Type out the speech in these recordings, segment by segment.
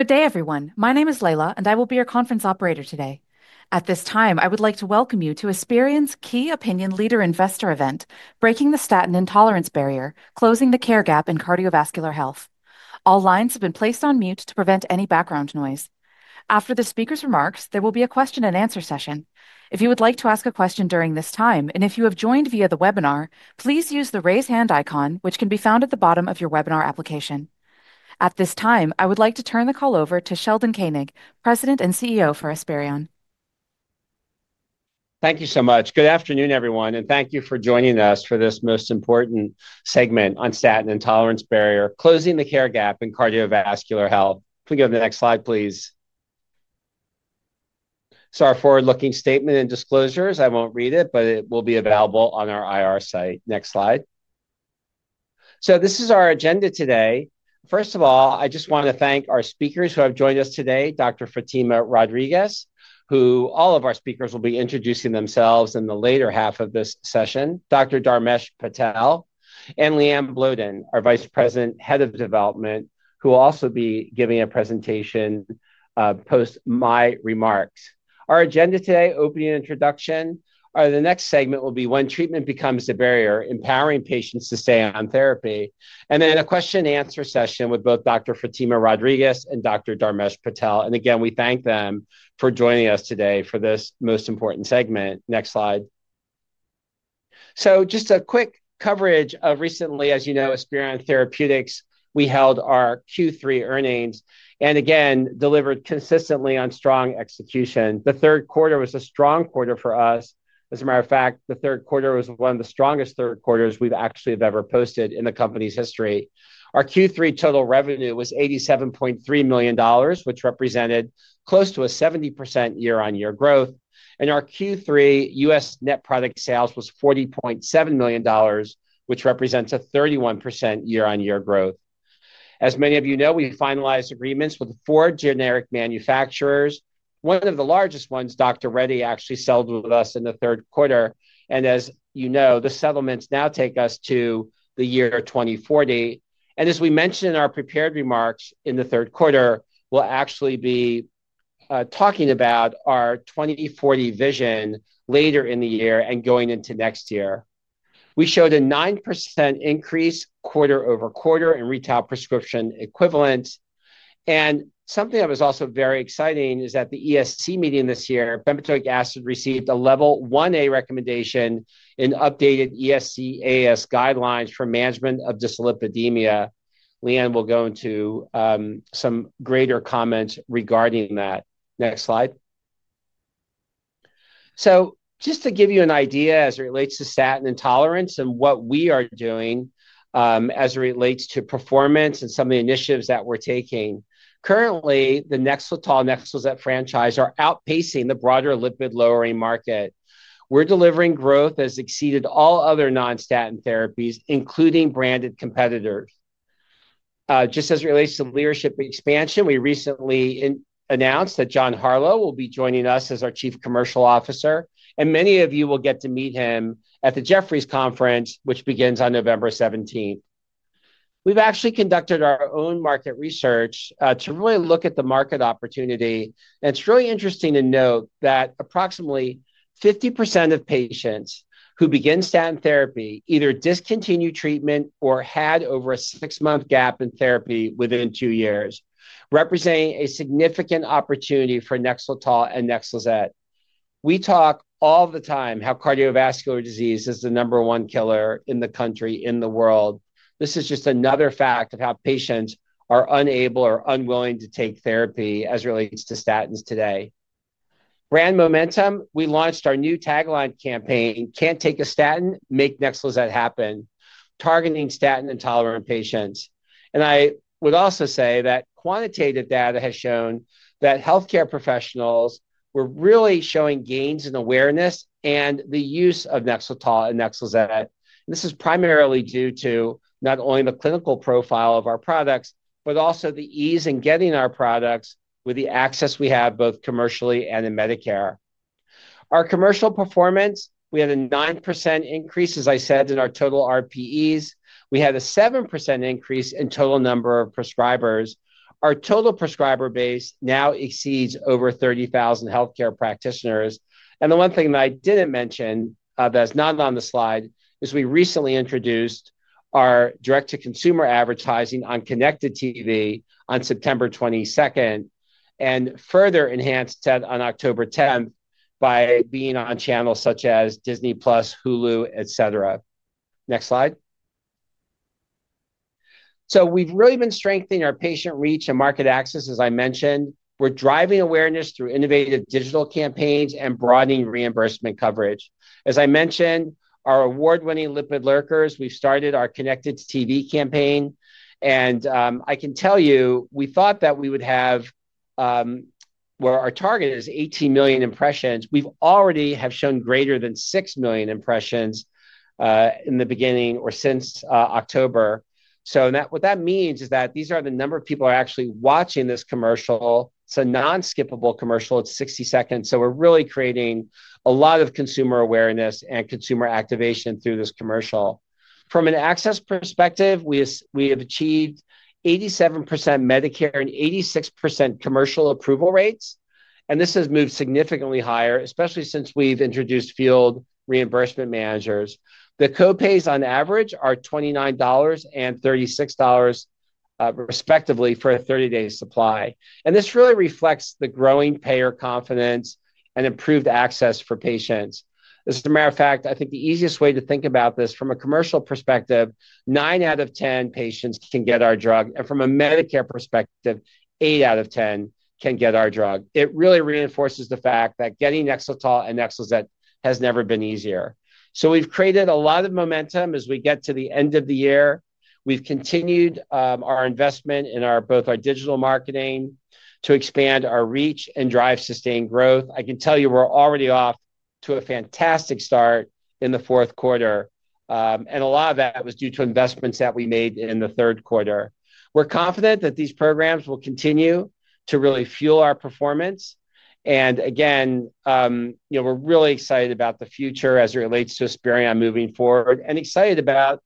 Good day, everyone. My name is Leila, and I will be your conference operator today. At this time, I would like to welcome you to Esperion's key opinion leader-investor event, Breaking the Statin Intolerance Barrier: Closing the Care Gap in Cardiovascular Health. All lines have been placed on mute to prevent any background noise. After the speaker's remarks, there will be a question-and-answer session. If you would like to ask a question during this time, and if you have joined via the webinar, please use the raise hand icon, which can be found at the bottom of your webinar application. At this time, I would like to turn the call over to Sheldon Koenig, President and CEO for Esperion. Thank you so much. Good afternoon, everyone, and thank you for joining us for this most important segment on statin intolerance barrier, closing the care gap in cardiovascular health. If we go to the next slide, please. Our forward-looking statement and disclosures, I will not read it, but it will be available on our IR site. Next slide. This is our agenda today. First of all, I just want to thank our speakers who have joined us today, Dr. Fatima Rodriguez, who all of our speakers will be introducing themselves in the later half of this session, Dr. Dharmesh Patel, and LeAnne Bloeden, our Vice President, Head of Development, who will also be giving a presentation post my remarks. Our agenda today, opening introduction, or the next segment will be when treatment becomes a barrier, empowering patients to stay on therapy. Then a question-and-answer session with both Dr. Fatima Rodriguez and Dr. Dharmesh Patel. Again, we thank them for joining us today for this most important segment. Next slide. Just a quick coverage of recently, as you know, Esperion Therapeutics, we held our Q3 earnings and again, delivered consistently on strong execution. The third quarter was a strong quarter for us. As a matter of fact, the third quarter was one of the strongest third quarters we have actually ever posted in the company's history. Our Q3 total revenue was $87.3 million, which represented close to a 70% year-on-year growth. Our Q3 U.S. net product sales was $40.7 million, which represents a 31% year-on-year growth. As many of you know, we finalized agreements with four generic manufacturers. One of the largest ones, Dr. Reddy, actually settled with us in the third quarter. As you know, the settlements now take us to the year 2040. As we mentioned in our prepared remarks in the third quarter, we will actually be talking about our 2040 vision later in the year and going into next year. We showed a 9% increase quarter over quarter in retail prescription equivalents. Something that was also very exciting is that at the ESC meeting this year, bempedoic acid received a level 1A recommendation in updated ESC guidelines for management of dyslipidemia. LeAnne will go into some greater comments regarding that. Next slide. Just to give you an idea as it relates to statin intolerance and what we are doing as it relates to performance and some of the initiatives that we are taking. Currently, the Nexletol Nexlizet franchise are outpacing the broader lipid-lowering market. We are delivering growth that has exceeded all other non-statin therapies, including branded competitors. Just as it relates to leadership expansion, we recently announced that John Harlow will be joining us as our Chief Commercial Officer. Many of you will get to meet him at the Jefferies Conference, which begins on November 17th. We've actually conducted our own market research to really look at the market opportunity. It's really interesting to note that approximately 50% of patients who begin statin therapy either discontinue treatment or had over a six-month gap in therapy within two years, representing a significant opportunity for Nexletol and Nexlizet. We talk all the time how cardiovascular disease is the number one killer in the country, in the world. This is just another fact of how patients are unable or unwilling to take therapy as it relates to statins today. Brand momentum, we launched our new tagline campaign, "Can't Take a Statin, Make Nexlizet Happen," targeting statin-intolerant patients. I would also say that quantitative data has shown that healthcare professionals were really showing gains in awareness and the use of Nexletol and Nexlizet. This is primarily due to not only the clinical profile of our products, but also the ease in getting our products with the access we have, both commercially and in Medicare. Our commercial performance, we had a 9% increase, as I said, in our total RPEs. We had a 7% increase in total number of prescribers. Our total prescriber base now exceeds 30,000 healthcare practitioners. The one thing that I did not mention that is not on the slide is we recently introduced our direct-to-consumer advertising on Connected TV on September 22nd and further enhanced that on October 10th by being on channels such as Disney+, Hulu, et cetera. Next slide. We have really been strengthening our patient reach and market access, as I mentioned. We are driving awareness through innovative digital campaigns and broadening reimbursement coverage. As I mentioned, our award-winning Lipid Lurkers, we have started our Connected TV campaign. I can tell you, we thought that we would have, where our target is 18 million impressions, we already have shown greater than 6 million impressions in the beginning or since October. What that means is that these are the number of people who are actually watching this commercial. It is a non-skippable commercial. It is 60 seconds. We are really creating a lot of consumer awareness and consumer activation through this commercial. From an access perspective, we have achieved 87% Medicare and 86% commercial approval rates. This has moved significantly higher, especially since we have introduced field reimbursement managers. The copays on average are $29 and $36 respectively for a 30-day supply. This really reflects the growing payer confidence and improved access for patients. As a matter of fact, I think the easiest way to think about this from a commercial perspective, nine out of 10 patients can get our drug. From a Medicare perspective, eight out of 10 can get our drug. It really reinforces the fact that getting Nexletol and Nexlizet has never been easier. We have created a lot of momentum as we get to the end of the year. We have continued our investment in both our digital marketing to expand our reach and drive sustained growth. I can tell you, we are already off to a fantastic start in the fourth quarter. A lot of that was due to investments that we made in the third quarter. We're confident that these programs will continue to really fuel our performance. We're really excited about the future as it relates to Esperion moving forward and excited about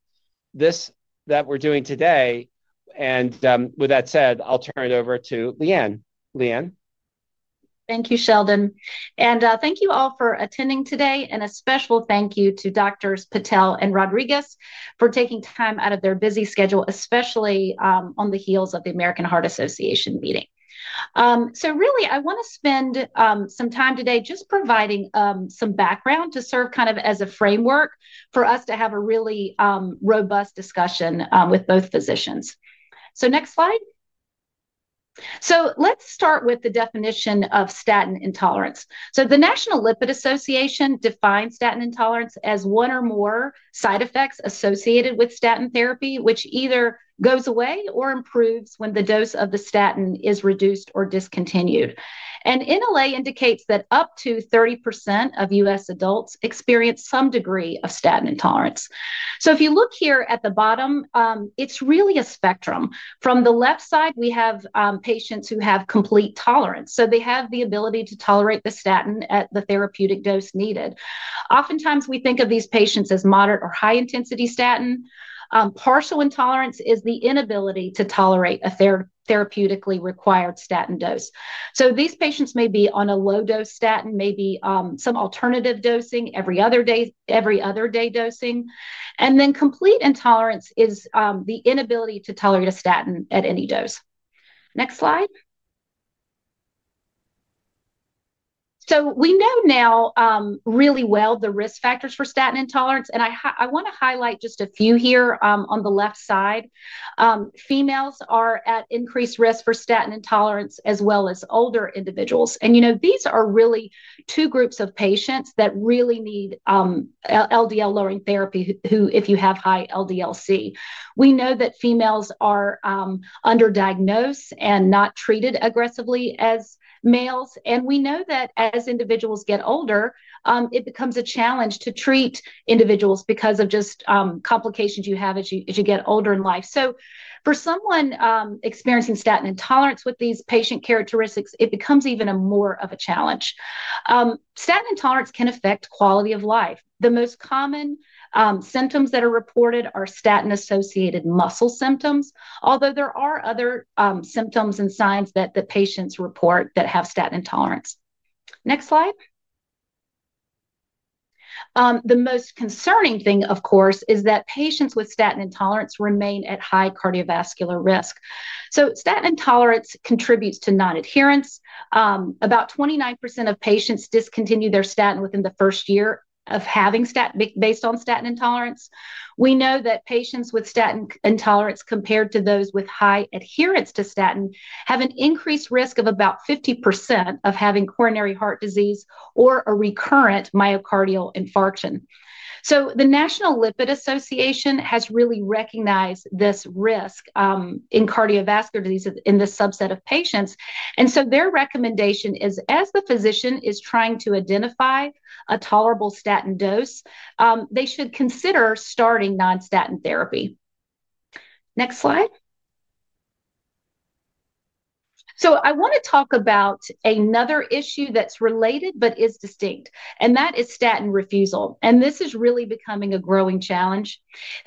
this that we're doing today. With that said, I'll turn it over to LeAnne. LeAnne. Thank you, Sheldon. Thank you all for attending today. A special thank you to Doctors Patel and Rodriguez for taking time out of their busy schedule, especially on the heels of the American Heart Association meeting. I want to spend some time today just providing some background to serve kind of as a framework for us to have a really robust discussion with both physicians. Next slide. Let's start with the definition of statin intolerance. The National Lipid Association defines statin intolerance as one or more side effects associated with statin therapy, which either goes away or improves when the dose of the statin is reduced or discontinued. NLA indicates that up to 30% of U.S. adults experience some degree of statin intolerance. If you look here at the bottom, it's really a spectrum. From the left side, we have patients who have complete tolerance. They have the ability to tolerate the statin at the therapeutic dose needed. Oftentimes, we think of these patients as moderate or high-intensity statin. Partial intolerance is the inability to tolerate a therapeutically required statin dose. These patients may be on a low-dose statin, maybe some alternative dosing, every other day dosing. Complete intolerance is the inability to tolerate a statin at any dose. Next slide. We know now really well the risk factors for statin intolerance. I want to highlight just a few here on the left side. Females are at increased risk for statin intolerance as well as older individuals. You know these are really two groups of patients that really need LDL-lowering therapy if you have high LDL-C. We know that females are underdiagnosed and not treated as aggressively as males. We know that as individuals get older, it becomes a challenge to treat individuals because of just complications you have as you get older in life. For someone experiencing statin intolerance with these patient characteristics, it becomes even more of a challenge. Statin intolerance can affect quality of life. The most common symptoms that are reported are statin-associated muscle symptoms, although there are other symptoms and signs that the patients report that have statin intolerance. Next slide. The most concerning thing, of course, is that patients with statin intolerance remain at high cardiovascular risk. Statin intolerance contributes to non-adherence. About 29% of patients discontinue their statin within the first year based on statin intolerance. We know that patients with statin intolerance compared to those with high adherence to statin have an increased risk of about 50% of having coronary heart disease or a recurrent myocardial infarction. The National Lipid Association has really recognized this risk in cardiovascular disease in this subset of patients. Their recommendation is, as the physician is trying to identify a tolerable statin dose, they should consider starting non-statin therapy. Next slide. I want to talk about another issue that's related but is distinct, and that is statin refusal. This is really becoming a growing challenge.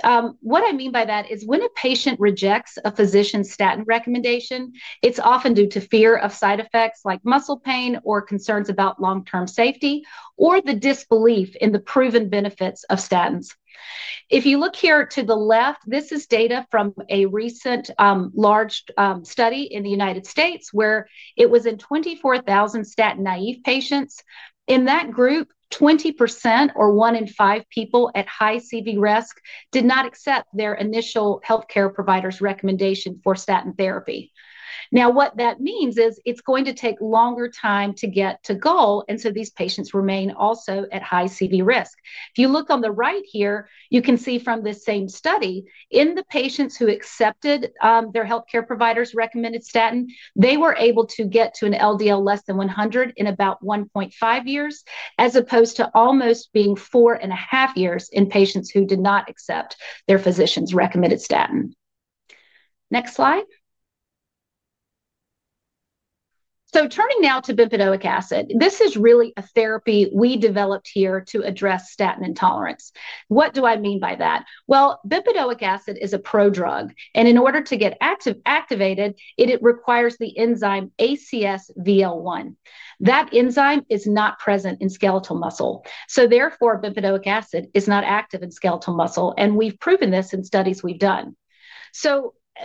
What I mean by that is when a patient rejects a physician's statin recommendation, it's often due to fear of side effects like muscle pain or concerns about long-term safety or the disbelief in the proven benefits of statins. If you look here to the left, this is data from a recent large study in the United States where it was in 24,000 statin naive patients. In that group, 20% or one in five people at high CV risk did not accept their initial healthcare provider's recommendation for statin therapy. Now, what that means is it's going to take longer time to get to goal. These patients remain also at high CV risk. If you look on the right here, you can see from this same study, in the patients who accepted their healthcare provider's recommended statin, they were able to get to an LDL less than 100 in about 1.5 years, as opposed to almost being four and a half years in patients who did not accept their physician's recommended statin. Next slide. Turning now to bempedoic acid. This is really a therapy we developed here to address statin intolerance. What do I mean by that? Bempedoic acid is a pro-drug. In order to get activated, it requires the enzyme ACSVL1. That enzyme is not present in skeletal muscle. Therefore, bempedoic acid is not active in skeletal muscle. We have proven this in studies we have done.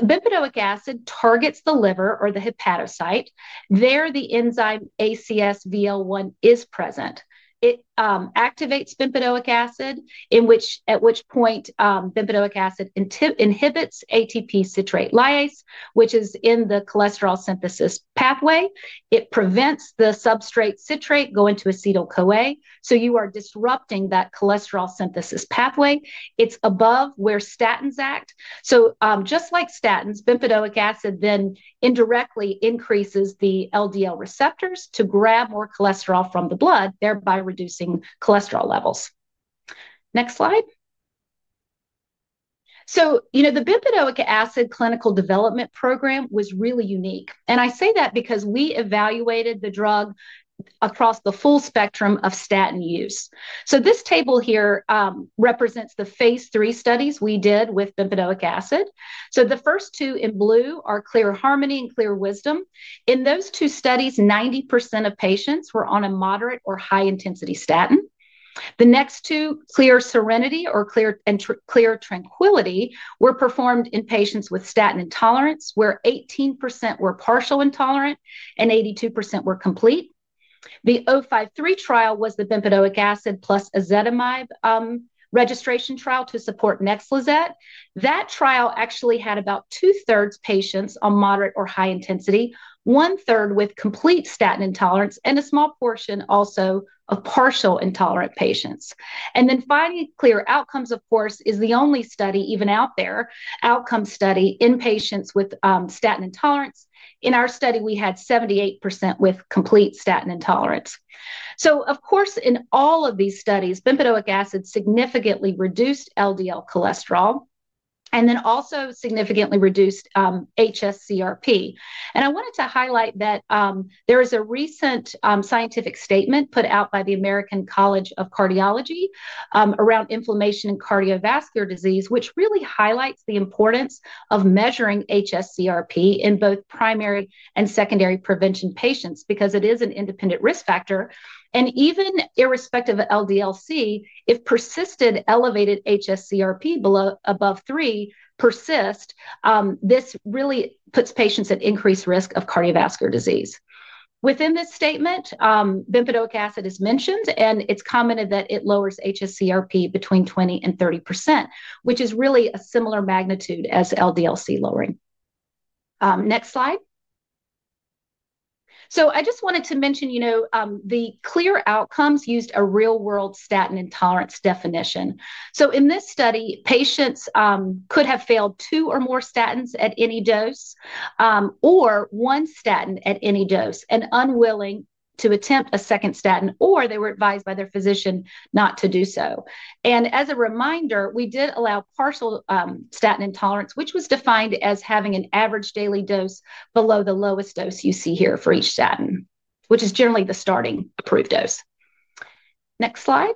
Bempedoic acid targets the liver or the hepatocyte. There, the enzyme ACSVL1 is present. It activates bempedoic acid, at which point bempedoic acid inhibits ATP citrate lyase, which is in the cholesterol synthesis pathway. It prevents the substrate citrate going to acetyl-CoA. You are disrupting that cholesterol synthesis pathway. It is above where statins act. Just like statins, bempedoic acid then indirectly increases the LDL receptors to grab more cholesterol from the blood, thereby reducing cholesterol levels. Next slide. The bempedoic acid clinical development program was really unique. I say that because we evaluated the drug across the full spectrum of statin use. This table here represents the phase three studies we did with bempedoic acid. The first two in blue are Clear Harmony and Clear Wisdom. In those two studies, 90% of patients were on a moderate or high-intensity statin. The next two, Clear Serenity or Clear Tranquility, were performed in patients with statin intolerance, where 18% were partial intolerant and 82% were complete. The O53 trial was the bempedoic acid plus ezetimibe registration trial to support Nexlizet. That trial actually had about two-thirds of patients on moderate or high intensity, one-third with complete statin intolerance, and a small portion also of partial intolerant patients. Finally, Clear Outcomes, of course, is the only study even out there, outcome study in patients with statin intolerance. In our study, we had 78% with complete statin intolerance. Of course, in all of these studies, bempedoic acid significantly reduced LDL cholesterol and then also significantly reduced hsCRP. I wanted to highlight that there is a recent scientific statement put out by the American College of Cardiology around inflammation and cardiovascular disease, which really highlights the importance of measuring hsCRP in both primary and secondary prevention patients because it is an independent risk factor. Even irrespective of LDL-C, if persistent elevated hsCRP above 3 persist, this really puts patients at increased risk of cardiovascular disease. Within this statement, bempedoic acid is mentioned, and it is commented that it lowers hsCRP between 20% and 30%, which is really a similar magnitude as LDL-C lowering. Next slide. I just wanted to mention the Clear Outcomes used a real-world statin intolerance definition. In this study, patients could have failed two or more statins at any dose or one statin at any dose and unwilling to attempt a second statin, or they were advised by their physician not to do so. As a reminder, we did allow partial statin intolerance, which was defined as having an average daily dose below the lowest dose you see here for each statin, which is generally the starting approved dose. Next slide.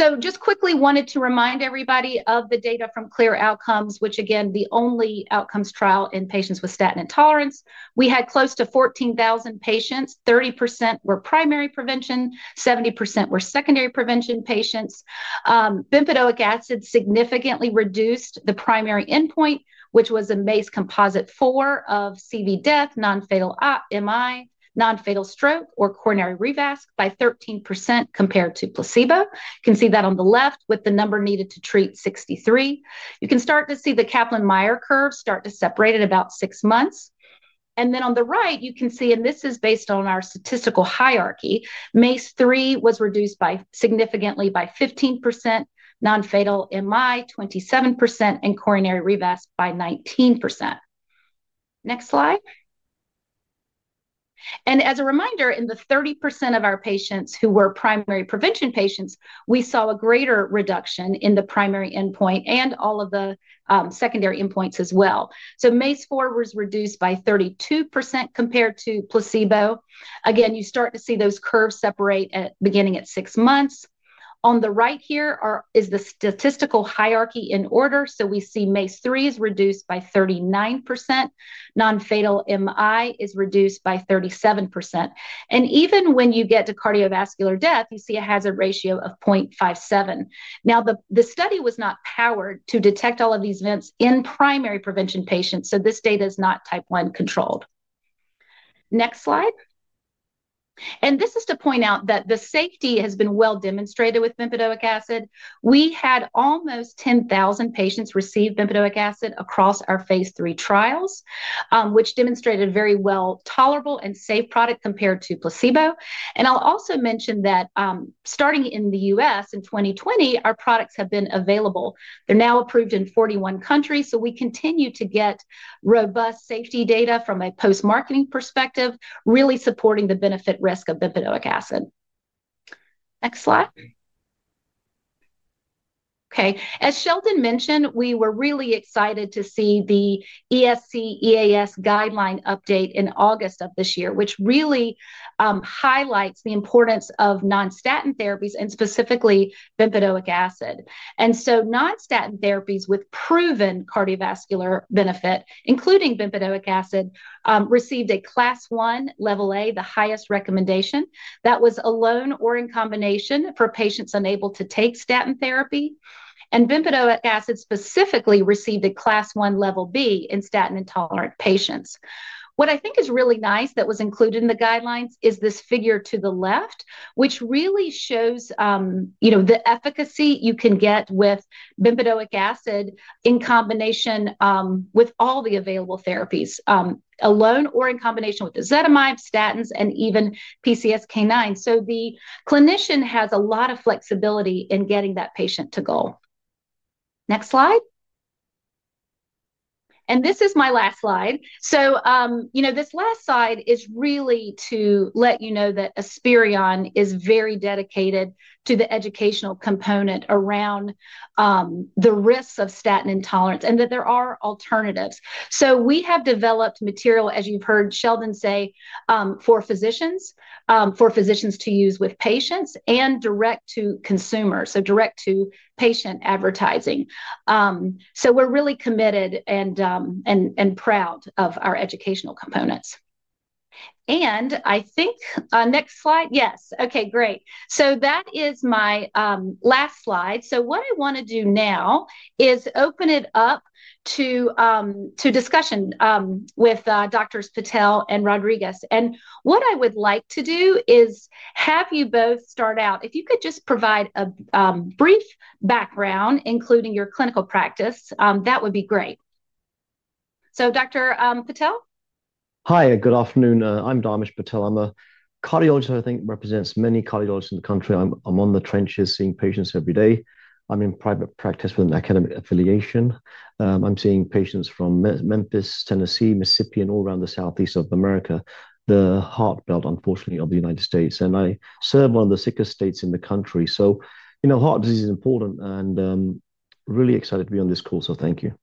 I just quickly wanted to remind everybody of the data from Clear Outcomes, which again, the only outcomes trial in patients with statin intolerance. We had close to 14,000 patients. 30% were primary prevention. 70% were secondary prevention patients. Bempedoic acid significantly reduced the primary endpoint, which was a composite of four of CV death, non-fatal MI, non-fatal stroke, or coronary revascularization by 13% compared to placebo. You can see that on the left with the number needed to treat 63. You can start to see the Kaplan-Meier curve start to separate at about six months. On the right, you can see, and this is based on our statistical hierarchy, MACE3 was reduced significantly by 15%, non-fatal MI 27%, and coronary revascularization by 19%. Next slide. As a reminder, in the 30% of our patients who were primary prevention patients, we saw a greater reduction in the primary endpoint and all of the secondary endpoints as well. MACE4 was reduced by 32% compared to placebo. Again, you start to see those curves separate beginning at six months. On the right here is the statistical hierarchy in order. We see MACE3 is reduced by 39%. Non-fatal MI is reduced by 37%. Even when you get to cardiovascular death, you see a hazard ratio of 0.57. Now, the study was not powered to detect all of these events in primary prevention patients. This data is not type 1 controlled. Next slide. This is to point out that the safety has been well demonstrated with bempedoic acid. We had almost 10,000 patients receive bempedoic acid across our phase three trials, which demonstrated very well tolerable and safe product compared to placebo. I'll also mention that starting in the U.S. in 2020, our products have been available. They're now approved in 41 countries. We continue to get robust safety data from a post-marketing perspective, really supporting the benefit risk of bempedoic acid. Next slide. Okay. As Sheldon mentioned, we were really excited to see the ESC EAS guideline update in August of this year, which really highlights the importance of non-statin therapies and specifically bempedoic acid. Non-statin therapies with proven cardiovascular benefit, including bempedoic acid, received a class one, level A, the highest recommendation. That was alone or in combination for patients unable to take statin therapy. Bempedoic acid specifically received a class one, level B in statin intolerant patients. What I think is really nice that was included in the guidelines is this figure to the left, which really shows the efficacy you can get with bempedoic acid in combination with all the available therapies, alone or in combination with ezetimibe, statins, and even PCSK9. The clinician has a lot of flexibility in getting that patient to goal. Next slide. This is my last slide. This last slide is really to let you know that Esperion is very dedicated to the educational component around the risks of statin intolerance and that there are alternatives. We have developed material, as you have heard Sheldon say, for physicians, for physicians to use with patients and direct to consumers, so direct to patient advertising. We are really committed and proud of our educational components. I think next slide, yes. Okay, great. That is my last slide. What I want to do now is open it up to discussion with Doctors Patel and Rodriguez. What I would like to do is have you both start out. If you could just provide a brief background, including your clinical practice, that would be great. Doctor Patel. Hi, good afternoon. I am Dharmesh Patel. I am a cardiologist, I think, represents many cardiologists in the country. I'm on the trenches seeing patients every day. I'm in private practice with an academic affiliation. I'm seeing patients from Memphis, Tennessee, Mississippi, and all around the Southeast of America, the heart belt, unfortunately, of the United States. I serve one of the sickest states in the country. Heart disease is important and really excited to be on this course. Thank you.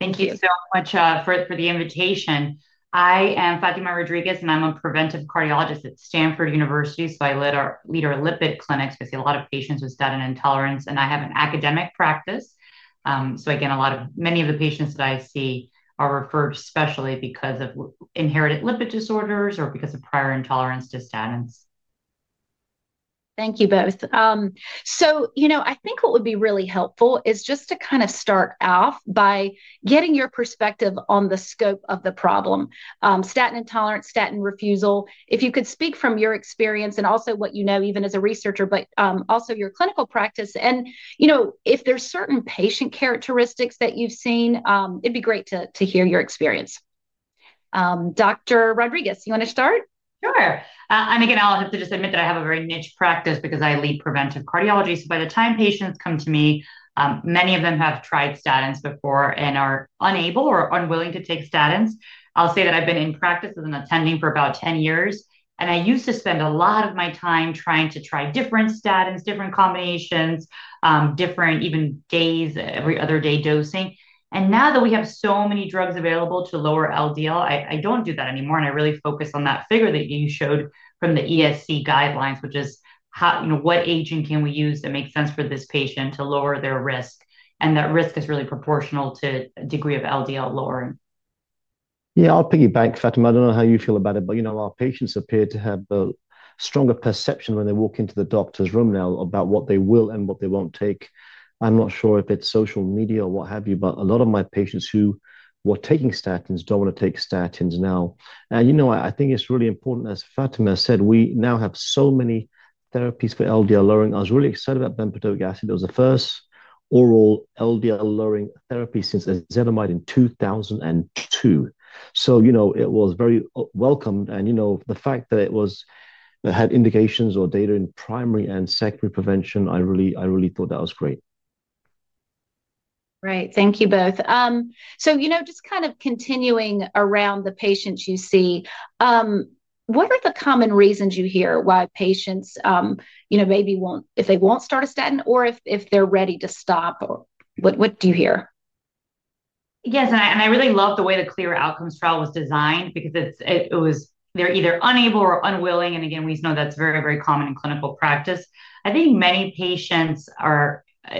Thank you so much for the invitation. I am Fatima Rodriguez, and I'm a preventive cardiologist at Stanford University. I lead our lipid clinics because a lot of patients with statin intolerance, and I have an academic practice. Again, many of the patients that I see are referred specially because of inherited lipid disorders or because of prior intolerance to statins. Thank you both. I think what would be really helpful is just to kind of start off by getting your perspective on the scope of the problem, statin intolerance, statin refusal, if you could speak from your experience and also what you know even as a researcher, but also your clinical practice. If there are certain patient characteristics that you've seen, it'd be great to hear your experience. Doctor Rodriguez, you want to start? Sure. Again, I'll have to just admit that I have a very niche practice because I lead preventive cardiology. By the time patients come to me, many of them have tried statins before and are unable or unwilling to take statins. I'll say that I've been in practice as an attending for about 10 years. I used to spend a lot of my time trying to try different statins, different combinations, different even days, every other day dosing. Now that we have so many drugs available to lower LDL, I do not do that anymore. I really focus on that figure that you showed from the ESC guidelines, which is what agent can we use that makes sense for this patient to lower their risk. That risk is really proportional to a degree of LDL lowering. Yeah, I will piggyback, Fatima. I do not know how you feel about it, but our patients appear to have a stronger perception when they walk into the doctor's room now about what they will and what they will not take. I am not sure if it is social media or what have you, but a lot of my patients who were taking statins do not want to take statins now. I think it's really important, as Fatima said, we now have so many therapies for LDL lowering. I was really excited about bempedoic acid. It was the first oral LDL lowering therapy since ezetimibe in 2002. It was very welcomed. The fact that it had indications or data in primary and secondary prevention, I really thought that was great. Right. Thank you both. Just kind of continuing around the patients you see, what are the common reasons you hear why patients maybe won't, if they won't start a statin or if they're ready to stop? What do you hear? Yes. I really love the way the Clear Outcomes trial was designed because they're either unable or unwilling. Again, we know that's very, very common in clinical practice. I think many patients,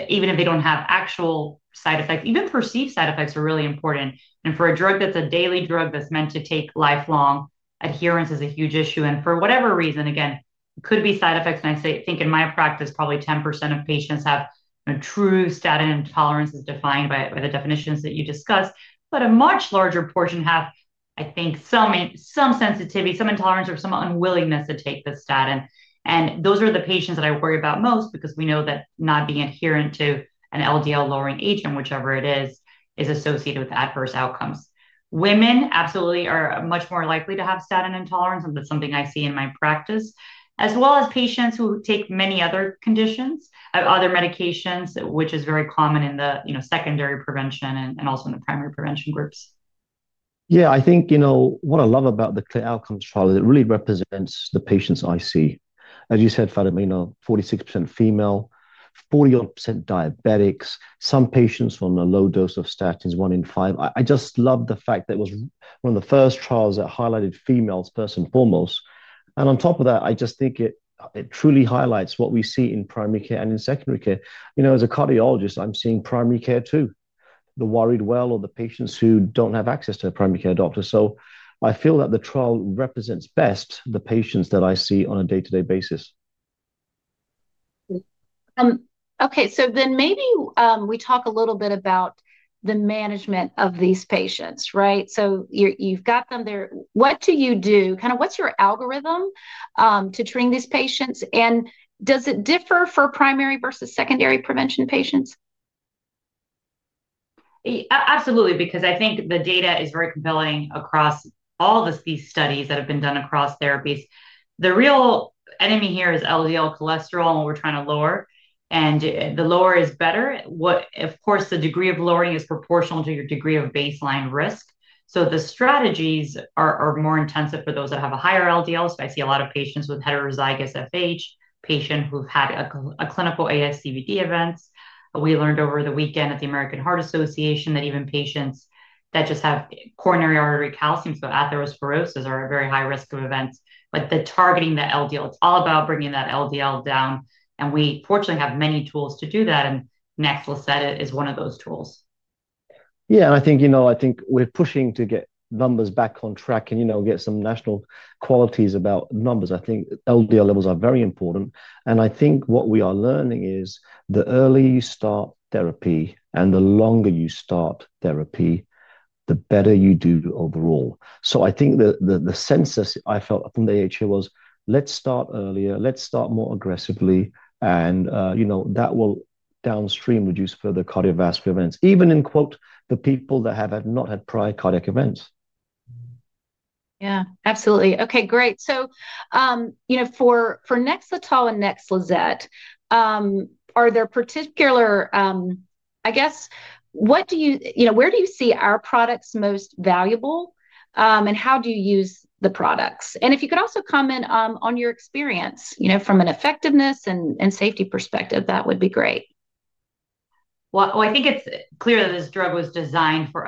even if they don't have actual side effects, even perceived side effects are really important. For a drug that's a daily drug that's meant to take lifelong, adherence is a huge issue. For whatever reason, again, it could be side effects. I think in my practice, probably 10% of patients have true statin intolerance as defined by the definitions that you discussed. A much larger portion have, I think, some sensitivity, some intolerance, or some unwillingness to take the statin. Those are the patients that I worry about most because we know that not being adherent to an LDL-lowering agent, whichever it is, is associated with adverse outcomes. Women absolutely are much more likely to have statin intolerance. That's something I see in my practice, as well as patients who take many other conditions of other medications, which is very common in the secondary prevention and also in the primary prevention groups. Yeah, I think what I love about the Clear Outcomes trial is it really represents the patients I see. As you said, Fatima, 46% female, 41% diabetics, some patients on a low dose of statins, one in five. I just love the fact that it was one of the first trials that highlighted females first and foremost. I just think it truly highlights what we see in primary care and in secondary care. As a cardiologist, I'm seeing primary care too, the worried well or the patients who don't have access to a primary care doctor. I feel that the trial represents best the patients that I see on a day-to-day basis. Okay. Maybe we talk a little bit about the management of these patients, right? You have got them there. What do you do? Kind of what's your algorithm to train these patients? Does it differ for primary versus secondary prevention patients? Absolutely, because I think the data is very compelling across all of these studies that have been done across therapies. The real enemy here is LDL cholesterol we are trying to lower, and lower is better. Of course, the degree of lowering is proportional to your degree of baseline risk. The strategies are more intensive for those that have a higher LDL. I see a lot of patients with heterozygous FH, patients who have had clinical ASCVD events. We learned over the weekend at the American Heart Association that even patients that just have coronary artery calcium, so atherosclerosis, are at very high risk of events. Targeting the LDL, it's all about bringing that LDL down. We, fortunately, have many tools to do that. Nexlizet is one of those tools. Yeah. I think we're pushing to get numbers back on track and get some national qualities about numbers. I think LDL levels are very important. What we are learning is the earlier you start therapy and the longer you start therapy, the better you do overall. I think the census I felt from the AHA was, let's start earlier, let's start more aggressively. That will downstream reduce further cardiovascular events, even in, quote, the people that have not had prior cardiac events. Yeah, absolutely. Okay, great. For Nexletol and Nexlizet, are there particular, I guess, where do you see our products most valuable, and how do you use the products? If you could also comment on your experience from an effectiveness and safety perspective, that would be great. I think it's clear that this drug was designed for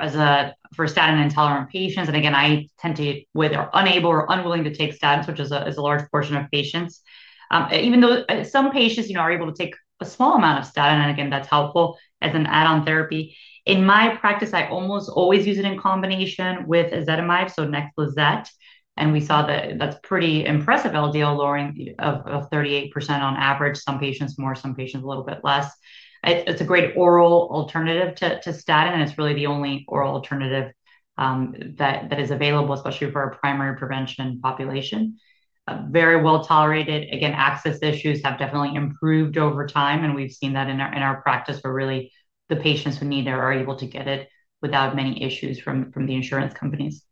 statin intolerant patients. I tend to, whether unable or unwilling to take statins, which is a large portion of patients, even though some patients are able to take a small amount of statin. That's helpful as an add-on therapy. In my practice, I almost always use it in combination with ezetimibe, so Nexlizet. We saw that that's pretty impressive LDL lowering of 38% on average. Some patients more, some patients a little bit less. It's a great oral alternative to statin, and it's really the only oral alternative that is available, especially for our primary prevention population. Very well tolerated. Again, access issues have definitely improved over time, and we've seen that in our practice where really the patients who need it are able to get it without many issues from the insurance companies.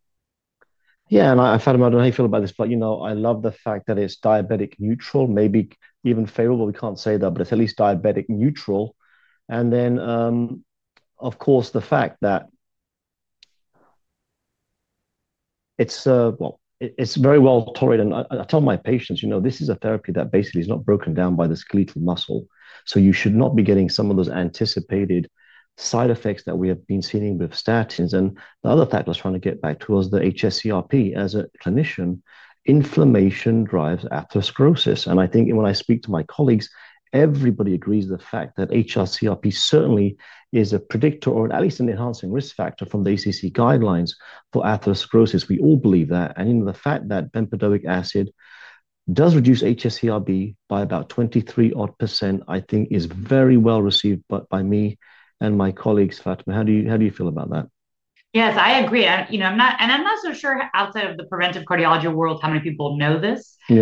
Yeah. Fatima, I don't know how you feel about this, but I love the fact that it's diabetic neutral, maybe even favorable. We can't say that, but it's at least diabetic neutral. Of course, the fact that it's very well tolerated. I tell my patients, this is a therapy that basically is not broken down by the skeletal muscle. So you should not be getting some of those anticipated side effects that we have been seeing with statins. The other fact I was trying to get back to was the hsCRP. As a clinician, inflammation drives atherosclerosis. I think when I speak to my colleagues, everybody agrees with the fact that hsCRP certainly is a predictor, or at least an enhancing risk factor from the ACC guidelines for atherosclerosis. We all believe that. The fact that bempedoic acid does reduce hsCRP by about 23% is very well received by me and my colleagues. Fatima, how do you feel about that? Yes, I agree. I'm not so sure outside of the preventive cardiology world how many people know this. I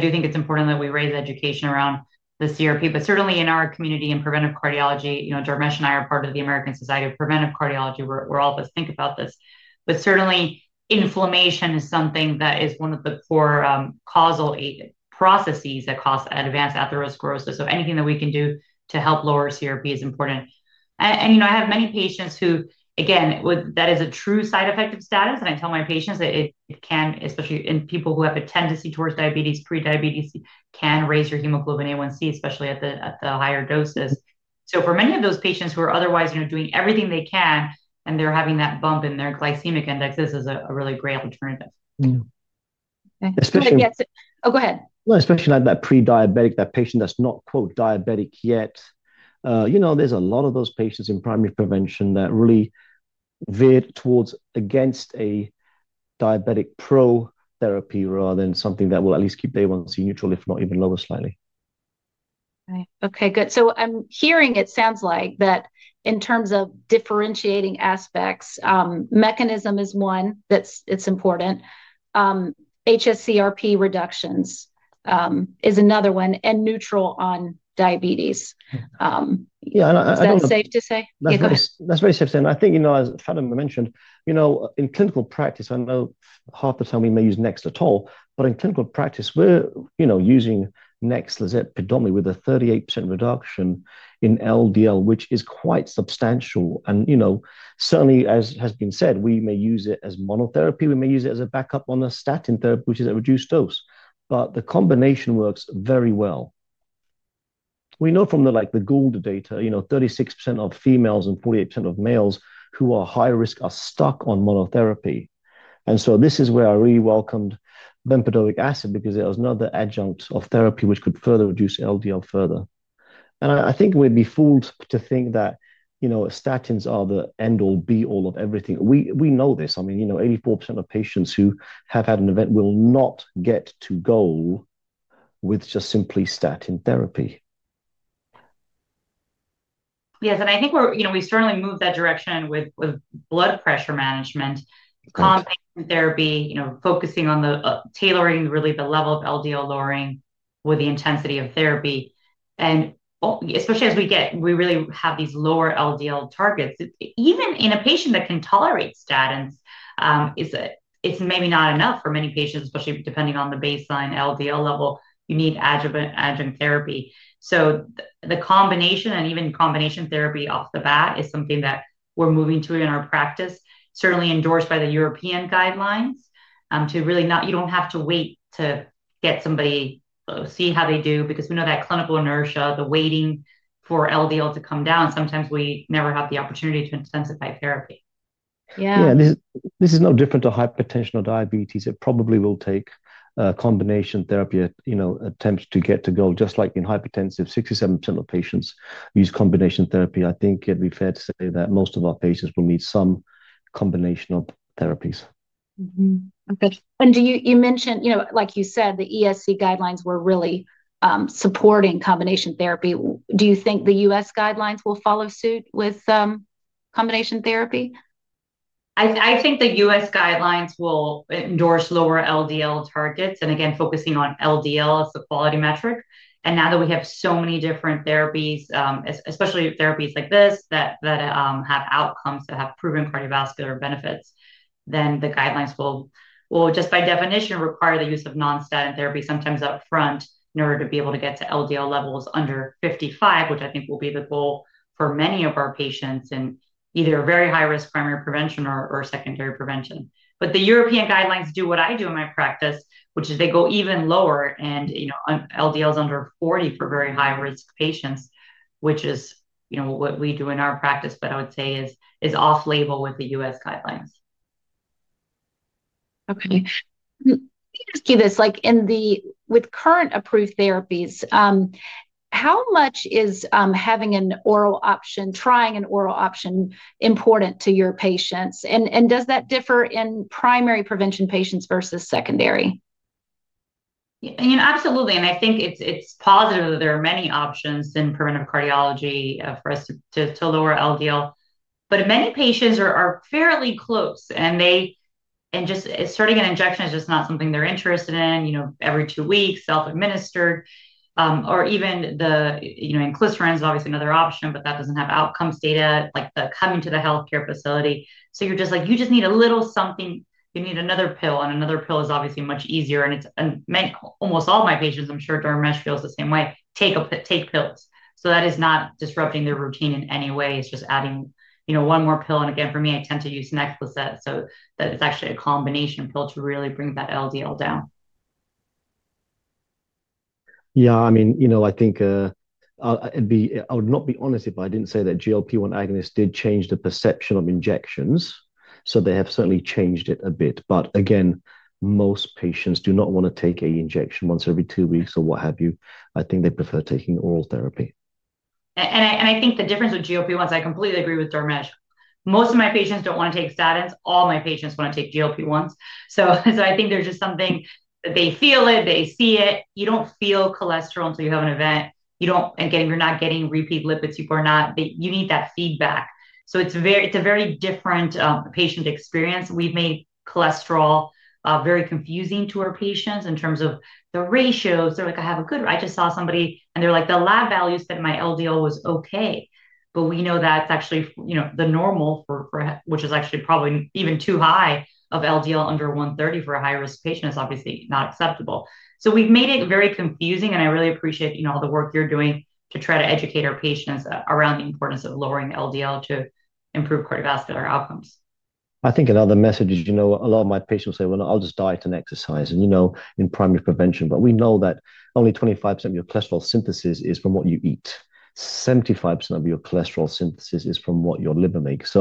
do think it's important that we raise education around the CRP. Certainly in our community in preventive cardiology, Dharmesh and I are part of the American Society of Preventive Cardiology. We're all about to think about this. Certainly, inflammation is something that is one of the core causal processes that cause advanced atherosclerosis. Anything that we can do to help lower CRP is important. I have many patients who, again, that is a true side effect of statins. I tell my patients that it can, especially in people who have a tendency towards diabetes, prediabetes, can raise your hemoglobin A1C, especially at the higher doses. For many of those patients who are otherwise doing everything they can and they're having that bump in their glycemic index, this is a really great alternative. Especially, oh, go ahead. Especially that prediabetic, that patient that's not, quote, diabetic yet. There are a lot of those patients in primary prevention that really veer towards against a diabetic pro therapy rather than something that will at least keep the A1C neutral, if not even lower slightly. Right. Okay, good. I'm hearing, it sounds like, that in terms of differentiating aspects, mechanism is one that's important. hsCRP reductions is another one and neutral on diabetes. Is that safe to say? That's very safe to say. I think, as Fatima mentioned, in clinical practice, I know half the time we may use Nexletol, but in clinical practice, we're using Nexlizet predominantly with a 38% reduction in LDL, which is quite substantial. Certainly, as has been said, we may use it as monotherapy. We may use it as a backup on a statin therapy, which is a reduced dose. The combination works very well. We know from the Gould data, 36% of females and 48% of males who are high risk are stuck on monotherapy. This is where I really welcomed bempedoic acid because there was another adjunct of therapy which could further reduce LDL further. I think we'd be fooled to think that statins are the end-all, be-all of everything. We know this. I mean, 84% of patients who have had an event will not get to goal with just simply statin therapy. Yes. I think we certainly move that direction with blood pressure management, combination therapy, focusing on tailoring really the level of LDL lowering with the intensity of therapy. Especially as we really have these lower LDL targets, even in a patient that can tolerate statins, it's maybe not enough for many patients, especially depending on the baseline LDL level. You need adjuvant therapy. The combination and even combination therapy off the bat is something that we're moving to in our practice, certainly endorsed by the European guidelines to really not, you don't have to wait to get somebody, see how they do, because we know that clinical inertia, the waiting for LDL to come down, sometimes we never have the opportunity to intensify therapy. Yeah. This is no different to hypertension or diabetes. It probably will take a combination therapy attempt to get to goal, just like in hypertensive. 67% of patients use combination therapy. I think it'd be fair to say that most of our patients will need some combination of therapies. Okay. You mentioned, like you said, the ESC guidelines were really supporting combination therapy. Do you think the U.S. guidelines will follow suit with combination therapy? I think the U.S. guidelines will endorse lower LDL targets. Again, focusing on LDL as the quality metric. Now that we have so many different therapies, especially therapies like this that have outcomes that have proven cardiovascular benefits, the guidelines will, just by definition, require the use of non-statin therapy sometimes upfront in order to be able to get to LDL levels under 55, which I think will be the goal for many of our patients in either very high-risk primary prevention or secondary prevention. The European guidelines do what I do in my practice, which is they go even lower and LDL is under 40 for very high-risk patients, which is what we do in our practice, but I would say is off-label with the U.S. guidelines. Okay. Let me ask you this. With current approved therapies, how much is having an oral option, trying an oral option, important to your patients? Does that differ in primary prevention patients versus secondary? Absolutely. I think it's positive that there are many options in preventive cardiology for us to lower LDL. Many patients are fairly close, and starting an injection is just not something they're interested in. Every two weeks, self-administered. Even the inclisiran is obviously another option, but that doesn't have outcomes data coming to the healthcare facility. You're just like, you just need a little something. You need another pill, and another pill is obviously much easier. Almost all my patients, I'm sure Dharmesh feels the same way, take pills. That is not disrupting their routine in any way. It's just adding one more pill. Again, for me, I tend to use Nexlizet so that it's actually a combination pill to really bring that LDL down. Yeah. I mean, I think I would not be honest if I didn't say that GLP-1 agonists did change the perception of injections. They have certainly changed it a bit. Again, most patients do not want to take an injection once every two weeks or what have you. I think they prefer taking oral therapy. I think the difference with GLP-1s, I completely agree with Dharmesh. Most of my patients don't want to take statins. All my patients want to take GLP-1s. I think there's just something that they feel it, they see it. You don't feel cholesterol until you have an event. Again, you're not getting repeat lipids. You need that feedback. It's a very different patient experience. We've made cholesterol very confusing to our patients in terms of the ratios. They're like, "I have a good." I just saw somebody, and they're like, "The lab values said my LDL was okay." We know that's actually the normal, which is actually probably even too high of LDL under 130 for a high-risk patient. It's obviously not acceptable. We have made it very confusing, and I really appreciate all the work you're doing to try to educate our patients around the importance of lowering LDL to improve cardiovascular outcomes. I think another message is a lot of my patients will say, "I'll just diet and exercise in primary prevention." We know that only 25% of your cholesterol synthesis is from what you eat. 75% of your cholesterol synthesis is from what your liver makes.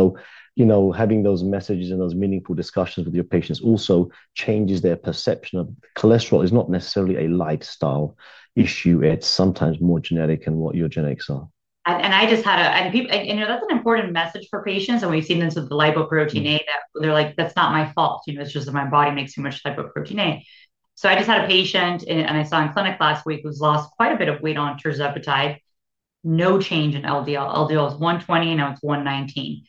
Having those messages and those meaningful discussions with your patients also changes their perception of cholesterol as not necessarily a lifestyle issue. It's sometimes more genetic than what your genetics are. I just had a—and that's an important message for patients. We've seen this with the lipoprotein(a) that they're like, "That's not my fault. It's just that my body makes too much lipoprotein(a)." I just had a patient I saw in clinic last week, who's lost quite a bit of weight on terzepatide. No change in LDL. LDL was 120, and now it's 119.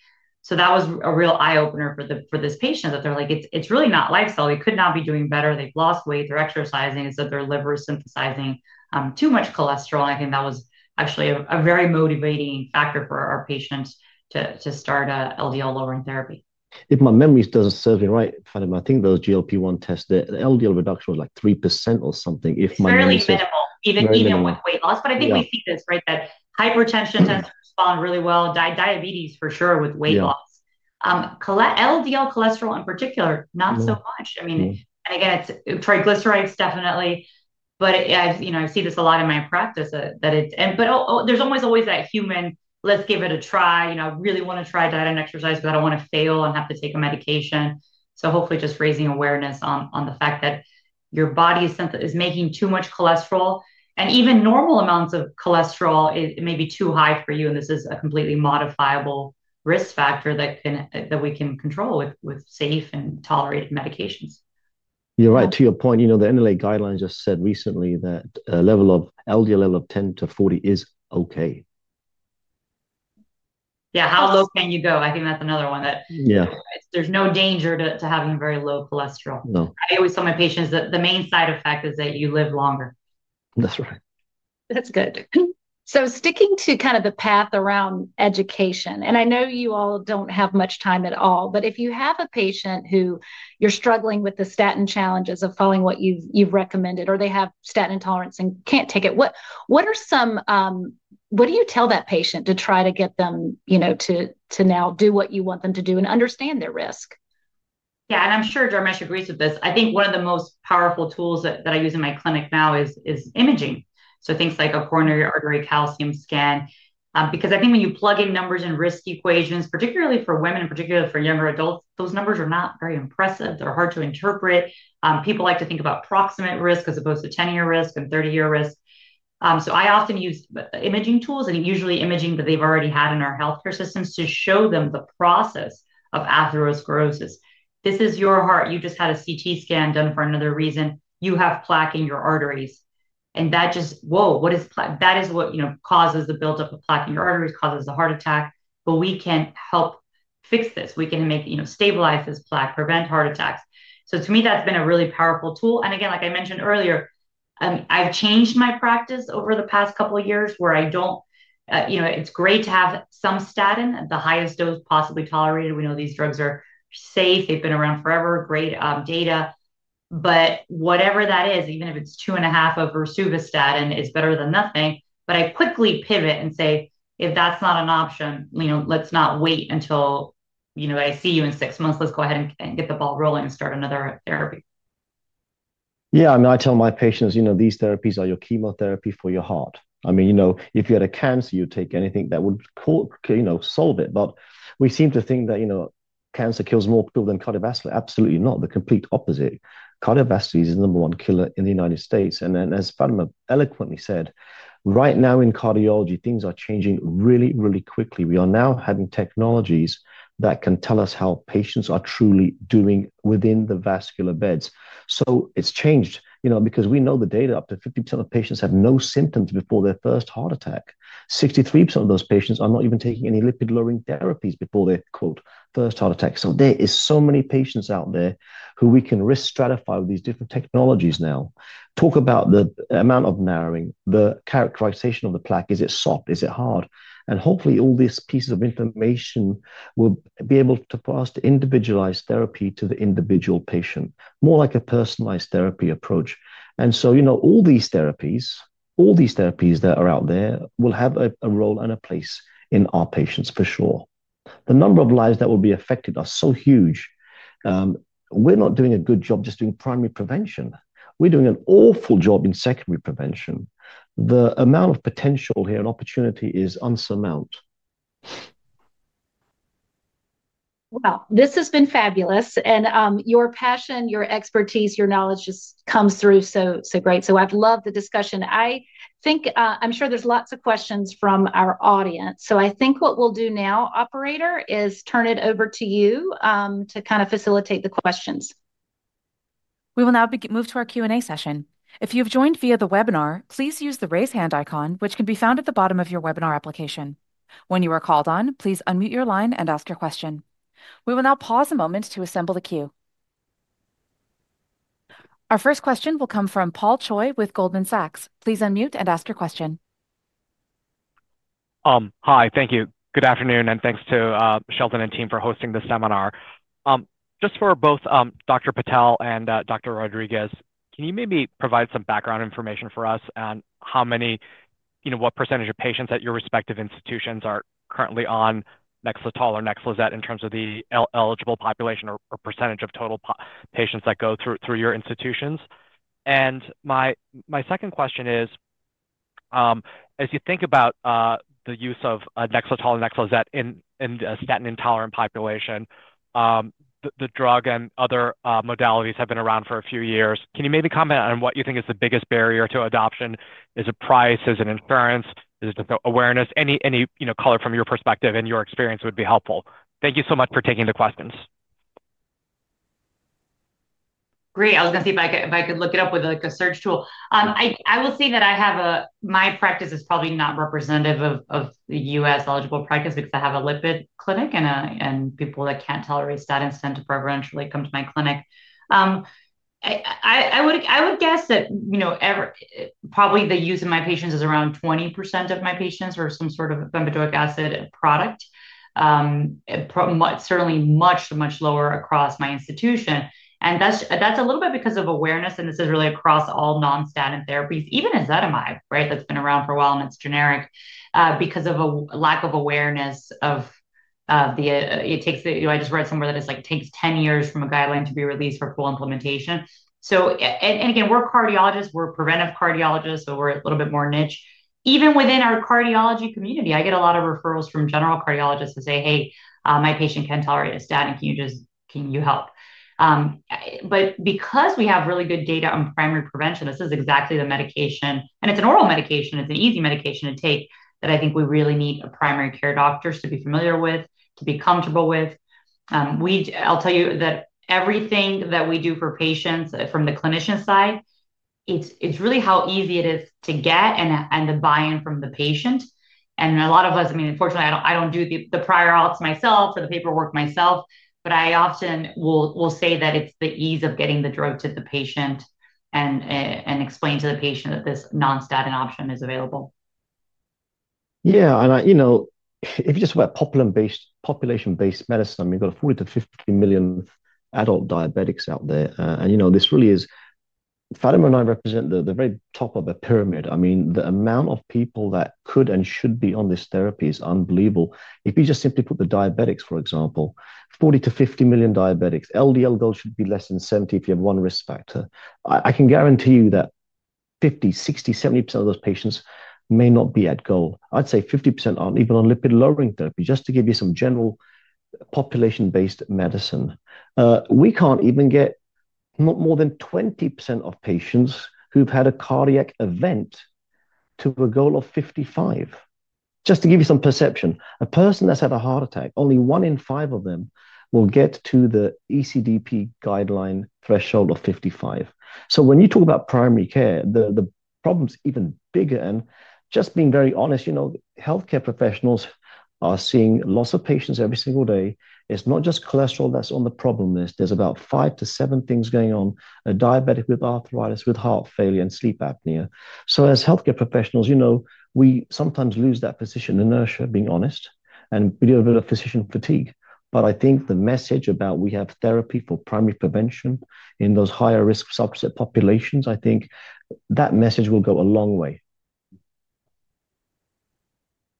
That was a real eye-opener for this patient that they're like, "It's really not lifestyle. They could not be doing better. They've lost weight. They're exercising. It's that their liver is synthesizing too much cholesterol." I think that was actually a very motivating factor for our patients to start LDL-lowering therapy. If my memory does not serve me right, Fatima, I think those GLP-1 tests, the LDL reduction was like 3% or something, if my memory is correct. Fairly minimal, even with weight loss. I think we see this, right, that hypertension tends to respond really well. Diabetes, for sure, with weight loss. LDL cholesterol, in particular, not so much. I mean, and again, it is triglycerides, definitely. I see this a lot in my practice that it—but there is almost always that human, "Let's give it a try. I really want to try diet and exercise, but I do not want to fail and have to take a medication." Hopefully, just raising awareness on the fact that your body is making too much cholesterol. Even normal amounts of cholesterol may be too high for you. This is a completely modifiable risk factor that we can control with safe and tolerated medications. You're right. To your point, the NLA guidelines just said recently that a level of LDL, level of 10-40 is okay. Yeah. How low can you go? I think that's another one that there's no danger to having very low cholesterol. I always tell my patients that the main side effect is that you live longer. That's right. That's good. Sticking to kind of the path around education, and I know you all don't have much time at all, but if you have a patient who you're struggling with the statin challenges of following what you've recommended, or they have statin intolerance and can't take it, what do you tell that patient to try to get them to now do what you want them to do and understand their risk? Yeah. I'm sure Dharmesh agrees with this. I think one of the most powerful tools that I use in my clinic now is imaging. Things like a coronary artery calcium scan. I think when you plug in numbers in risk equations, particularly for women and particularly for younger adults, those numbers are not very impressive. They're hard to interpret. People like to think about approximate risk as opposed to 10-year risk and 30-year risk. I often use imaging tools, and usually imaging that they've already had in our healthcare systems to show them the process of atherosclerosis. This is your heart. You just had a CT scan done for another reason. You have plaque in your arteries. That just, whoa, what is plaque? That is what causes the buildup of plaque in your arteries, causes a heart attack. We can help fix this. We can stabilize this plaque, prevent heart attacks. To me, that's been a really powerful tool. Again, like I mentioned earlier, I've changed my practice over the past couple of years where I don't—it's great to have some statin, the highest dose possibly tolerated. We know these drugs are safe. They've been around forever, great data. Whatever that is, even if it's two and a half of rosuvastatin, it's better than nothing. I quickly pivot and say, "If that's not an option, let's not wait until I see you in six months. Let's go ahead and get the ball rolling and start another therapy." Yeah. I mean, I tell my patients, "These therapies are your chemotherapy for your heart." I mean, if you had a cancer, you'd take anything that would solve it. We seem to think that cancer kills more people than cardiovascular. Absolutely not. The complete opposite. Cardiovascular is the number one killer in the U.S. As Fatima eloquently said, right now in cardiology, things are changing really, really quickly. We are now having technologies that can tell us how patients are truly doing within the vascular beds. It has changed because we know the data. Up to 50% of patients have no symptoms before their first heart attack. 63% of those patients are not even taking any lipid-lowering therapies before their "first heart attack." There are so many patients out there who we can risk stratify with these different technologies now. Talk about the amount of narrowing, the characterization of the plaque. Is it soft? Is it hard? Hopefully, all these pieces of information will be able to for us to individualize therapy to the individual patient, more like a personalized therapy approach. All these therapies, all these therapies that are out there will have a role and a place in our patients, for sure. The number of lives that will be affected are so huge. We're not doing a good job just doing primary prevention. We're doing an awful job in secondary prevention. The amount of potential here and opportunity is unsurmounted. Wow. This has been fabulous. Your passion, your expertise, your knowledge just comes through so great. I've loved the discussion. I'm sure there's lots of questions from our audience. I think what we'll do now, Operator, is turn it over to you to kind of facilitate the questions. We will now move to our Q&A session. If you have joined via the webinar, please use the raise hand icon, which can be found at the bottom of your webinar application. When you are called on, please unmute your line and ask your question. We will now pause a moment to assemble the queue. Our first question will come from Paul Choi with Goldman Sachs. Please unmute and ask your question. Hi. Thank you. Good afternoon. And thanks to Sheldon and team for hosting this seminar. Just for both Dr. Patel and Dr. Rodriguez, can you maybe provide some background information for us on how many, what percentage of patients at your respective institutions are currently on Nexletol or Nexlizet in terms of the eligible population or percentage of total patients that go through your institutions? And my second question is, as you think about the use of Nexletol or Nexlizet in a statin-intolerant population, the drug and other modalities have been around for a few years. Can you maybe comment on what you think is the biggest barrier to adoption? Is it price? Is it insurance? Is it awareness? Any color from your perspective and your experience would be helpful. Thank you so much for taking the questions. Great. I was going to see if I could look it up with a search tool. I will say that my practice is probably not representative of the U.S. eligible practice because I have a lipid clinic and people that can't tolerate statins tend to preferentially come to my clinic. I would guess that probably the use of my patients is around 20% of my patients are some sort of a bempedoic acid product, certainly much, much lower across my institution. That is a little bit because of awareness, and this is really across all non-statin therapies, even ezetimibe, right, that has been around for a while and it is generic because of a lack of awareness of the—I just read somewhere that it takes 10 years from a guideline to be released for full implementation. Again, we are cardiologists. We are preventive cardiologists, so we are a little bit more niche. Even within our cardiology community, I get a lot of referrals from general cardiologists to say, "Hey, my patient cannot tolerate a statin. Can you help?" Because we have really good data on primary prevention, this is exactly the medication. It is an oral medication. It is an easy medication to take that I think we really need primary care doctors to be familiar with, to be comfortable with. I'll tell you that everything that we do for patients from the clinician side, it's really how easy it is to get and the buy-in from the patient. A lot of us, I mean, unfortunately, I don't do the prior auth myself or the paperwork myself, but I often will say that it's the ease of getting the drug to the patient and explain to the patient that this non-statin option is available. Yeah. If you just look at population-based medicine, you've got 40-50 million adult diabetics out there. This really is—Fatima and I represent the very top of a pyramid. I mean, the amount of people that could and should be on this therapy is unbelievable. If you just simply put the diabetics, for example, 40-50 million diabetics, LDL goal should be less than 70 if you have one risk factor. I can guarantee you that 50%, 60%, 70% of those patients may not be at goal. I'd say 50% aren't even on lipid-lowering therapy, just to give you some general population-based medicine. We can't even get more than 20% of patients who've had a cardiac event to a goal of 55. Just to give you some perception, a person that's had a heart attack, only one in five of them will get to the ESC guideline threshold of 55. When you talk about primary care, the problem's even bigger. Just being very honest, healthcare professionals are seeing lots of patients every single day. It's not just cholesterol that's on the problem list. There's about five to seven things going on: a diabetic with arthritis, with heart failure, and sleep apnea. As healthcare professionals, we sometimes lose that physician inertia, being honest, and we do a bit of physician fatigue. I think the message about we have therapy for primary prevention in those higher risk subset populations, I think that message will go a long way.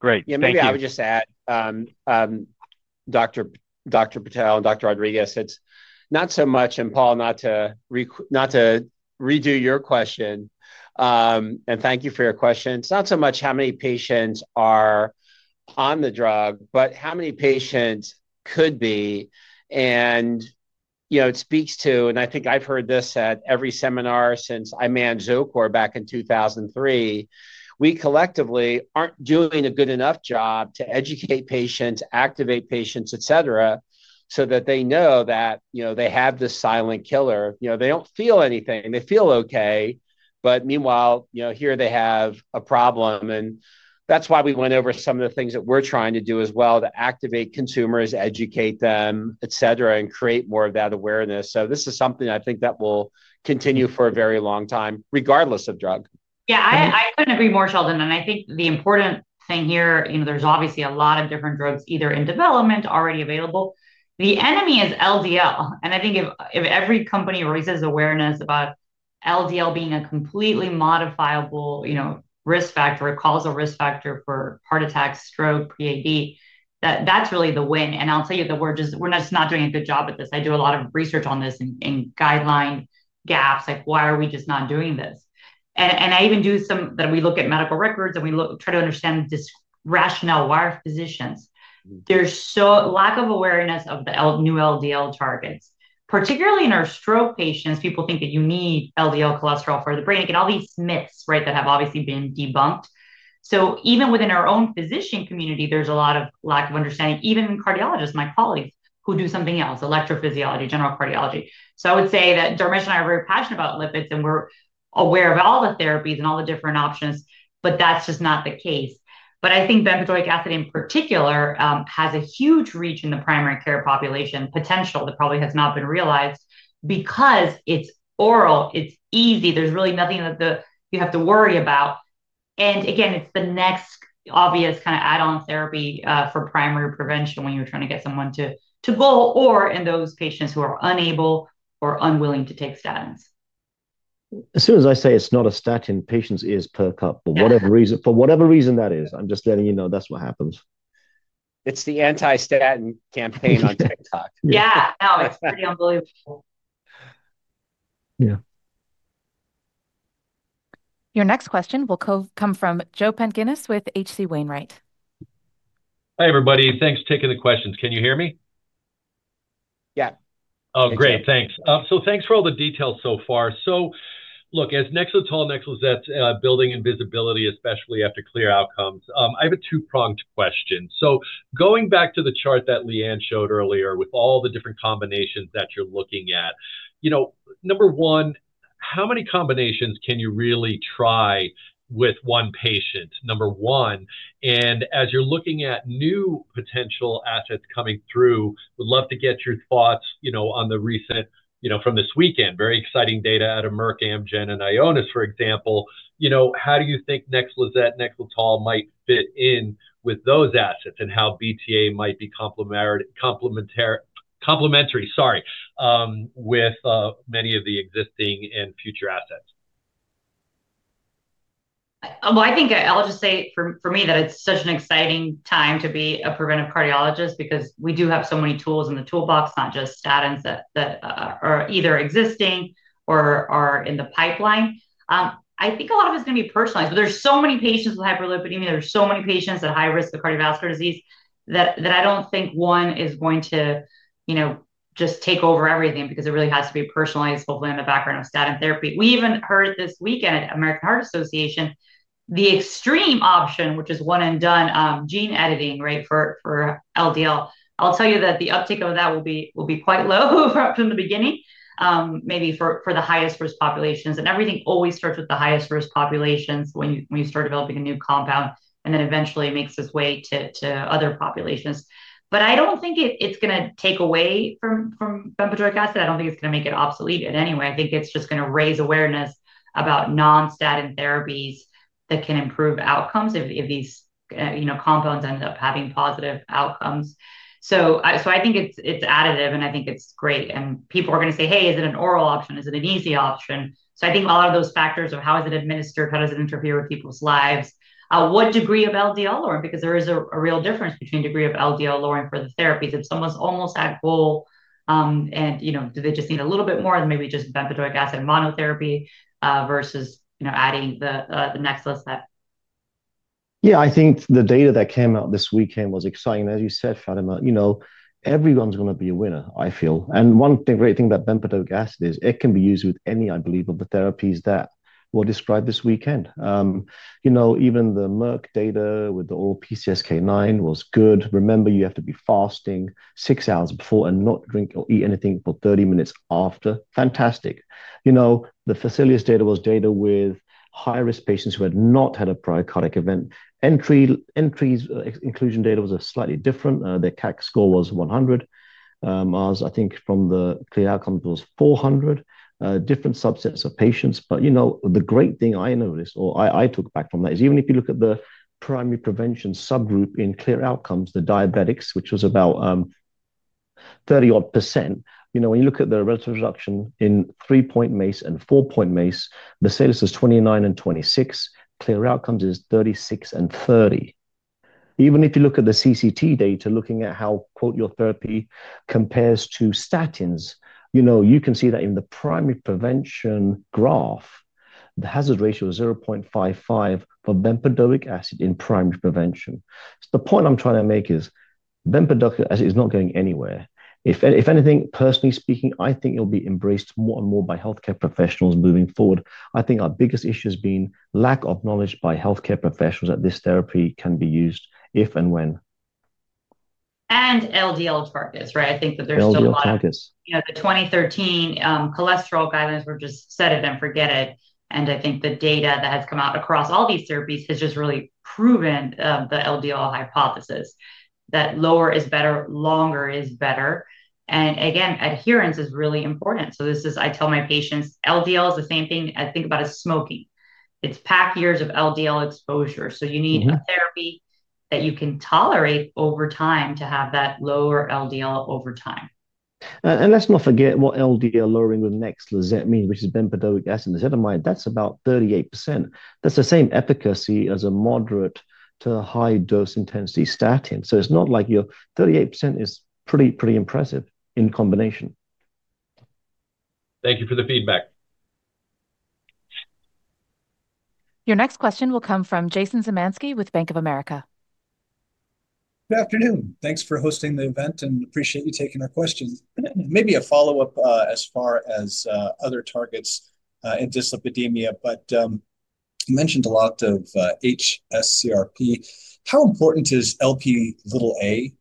Great. Yeah. Maybe I would just add, Dr. Patel and Dr. Rodriguez, it is not so much—and Paul, not to redo your question, and thank you for your question—it is not so much how many patients are on the drug, but how many patients could be. It speaks to—and I think I have heard this at every seminar since I manned Zocor back in 2003—we collectively are not doing a good enough job to educate patients, activate patients, etc., so that they know that they have this silent killer. They do not feel anything. They feel okay. Meanwhile, here they have a problem. That is why we went over some of the things that we are trying to do as well to activate consumers, educate them, etc., and create more of that awareness. This is something I think that will continue for a very long time, regardless of drug. Yeah. I could not agree more, Sheldon. I think the important thing here, there is obviously a lot of different drugs either in development or already available. The enemy is LDL. I think if every company raises awareness about LDL being a completely modifiable risk factor, a causal risk factor for heart attacks, stroke, PAD, that is really the win. I will tell you that we are just not doing a good job at this. I do a lot of research on this and guideline gaps, like, "Why are we just not doing this?" I even do some that we look at medical records and we try to understand this rationale why physicians. There is so lack of awareness of the new LDL targets. Particularly in our stroke patients, people think that you need LDL cholesterol for the brain. You get all these myths, right, that have obviously been debunked. Even within our own physician community, there is a lot of lack of understanding, even in cardiologists, my colleagues, who do something else, electrophysiology, general cardiology. I would say that Dharmesh and I are very passionate about lipids, and we are aware of all the therapies and all the different options, but that is just not the case. I think bempedoic acid in particular has a huge reach in the primary care population potential that probably has not been realized because it's oral. It's easy. There's really nothing that you have to worry about. Again, it's the next obvious kind of add-on therapy for primary prevention when you're trying to get someone to goal or in those patients who are unable or unwilling to take statins. As soon as I say it's not a statin, patients ease per cup for whatever reason. For whatever reason that is, I'm just letting you know that's what happens. It's the anti-statin campaign on TikTok. Yeah. No, it's pretty unbelievable. Yeah. Your next question will come from Joe Pantginis with H.C. Wainwright. Hi, everybody. Thanks for taking the questions. Can you hear me? Yeah. Oh, great. Thanks. Thanks for all the details so far. Look, as Nexletol, Nexlizet's building in visibility, especially after Clear Outcomes, I have a two-pronged question. Going back to the chart that Leanne showed earlier with all the different combinations that you're looking at, number one, how many combinations can you really try with one patient? Number one. As you're looking at new potential assets coming through, would love to get your thoughts on the recent, from this weekend, very exciting data out of Merck, Amgen, and Ionis, for example. How do you think Nexlizet, Nexletol might fit in with those assets and how BTA might be complementary, sorry, with many of the existing and future assets? I think I'll just say for me that it's such an exciting time to be a preventive cardiologist because we do have so many tools in the toolbox, not just statins that are either existing or are in the pipeline. I think a lot of it's going to be personalized. But there's so many patients with hyperlipidemia. There's so many patients at high risk of cardiovascular disease that I don't think one is going to just take over everything because it really has to be personalized, hopefully in the background of statin therapy. We even heard this weekend at American Heart Association, the extreme option, which is one-and-done gene editing, right, for LDL. I'll tell you that the uptake of that will be quite low from the beginning, maybe for the highest risk populations. And everything always starts with the highest risk populations when you start developing a new compound, and then eventually it makes its way to other populations. But I don't think it's going to take away from bempedoic acid. I don't think it's going to make it obsolete in any way. I think it's just going to raise awareness about non-statin therapies that can improve outcomes if these compounds end up having positive outcomes. I think it's additive, and I think it's great. People are going to say, "Hey, is it an oral option? Is it an easy option?" I think a lot of those factors of how is it administered, how does it interfere with people's lives, what degree of LDL lowering, because there is a real difference between degree of LDL lowering for the therapies. If someone's almost at goal, do they just need a little bit more than maybe just bempedoic acid monotherapy versus adding the Nexlizet? Yeah. I think the data that came out this weekend was exciting. As you said, Fatima, everyone's going to be a winner, I feel. One great thing about bempedoic acid is it can be used with any, I believe, of the therapies that were described this weekend. Even the Merck data with the oral PCSK9 was good. Remember, you have to be fasting six hours before and not drink or eat anything for 30 minutes after. Fantastic. The VESALIUS data was data with high-risk patients who had not had a prior cardiac event. Inclusion data was slightly different. Their CAC score was 100. I think from the Clear Outcomes, it was 400. Different subsets of patients. The great thing I noticed, or I took back from that, is even if you look at the primary prevention subgroup in Clear Outcomes, the diabetics, which was about 30-odd percent, when you look at the relative reduction in 3-point MACE and 4-point MACE, the salience is 29 and 26. Clear Outcomes is 36 and 30. Even if you look at the CCT data, looking at how, quote, your therapy compares to statins, you can see that in the primary prevention graph, the hazard ratio is 0.55 for bempedoic acid in primary prevention. The point I'm trying to make is bempedoic acid is not going anywhere. If anything, personally speaking, I think it'll be embraced more and more by healthcare professionals moving forward. I think our biggest issue has been lack of knowledge by healthcare professionals that this therapy can be used if and when. And LDL targets, right? I think that there's still a lot of LDL targets. Yeah. The 2013 cholesterol guidelines were just set it and forget it. I think the data that has come out across all these therapies has just really proven the LDL hypothesis, that lower is better, longer is better. Again, adherence is really important. This is, I tell my patients, LDL is the same thing I think about as smoking. It is pack years of LDL exposure. You need a therapy that you can tolerate over time to have that lower LDL over time. Let's not forget what LDL lowering with Nexlizet means, which is bempedoic acid. That is about 38%. That is the same efficacy as a moderate to high-dose intensity statin. It is not like your 38% is pretty impressive in combination. Thank you for the feedback. Your next question will come from Jason Zemansky with Bank of America. Good afternoon. Thanks for hosting the event and appreciate you taking our questions. Maybe a follow-up as far as other targets in dyslipidemia, but you mentioned a lot of hsCRP. How important is Lp(a)?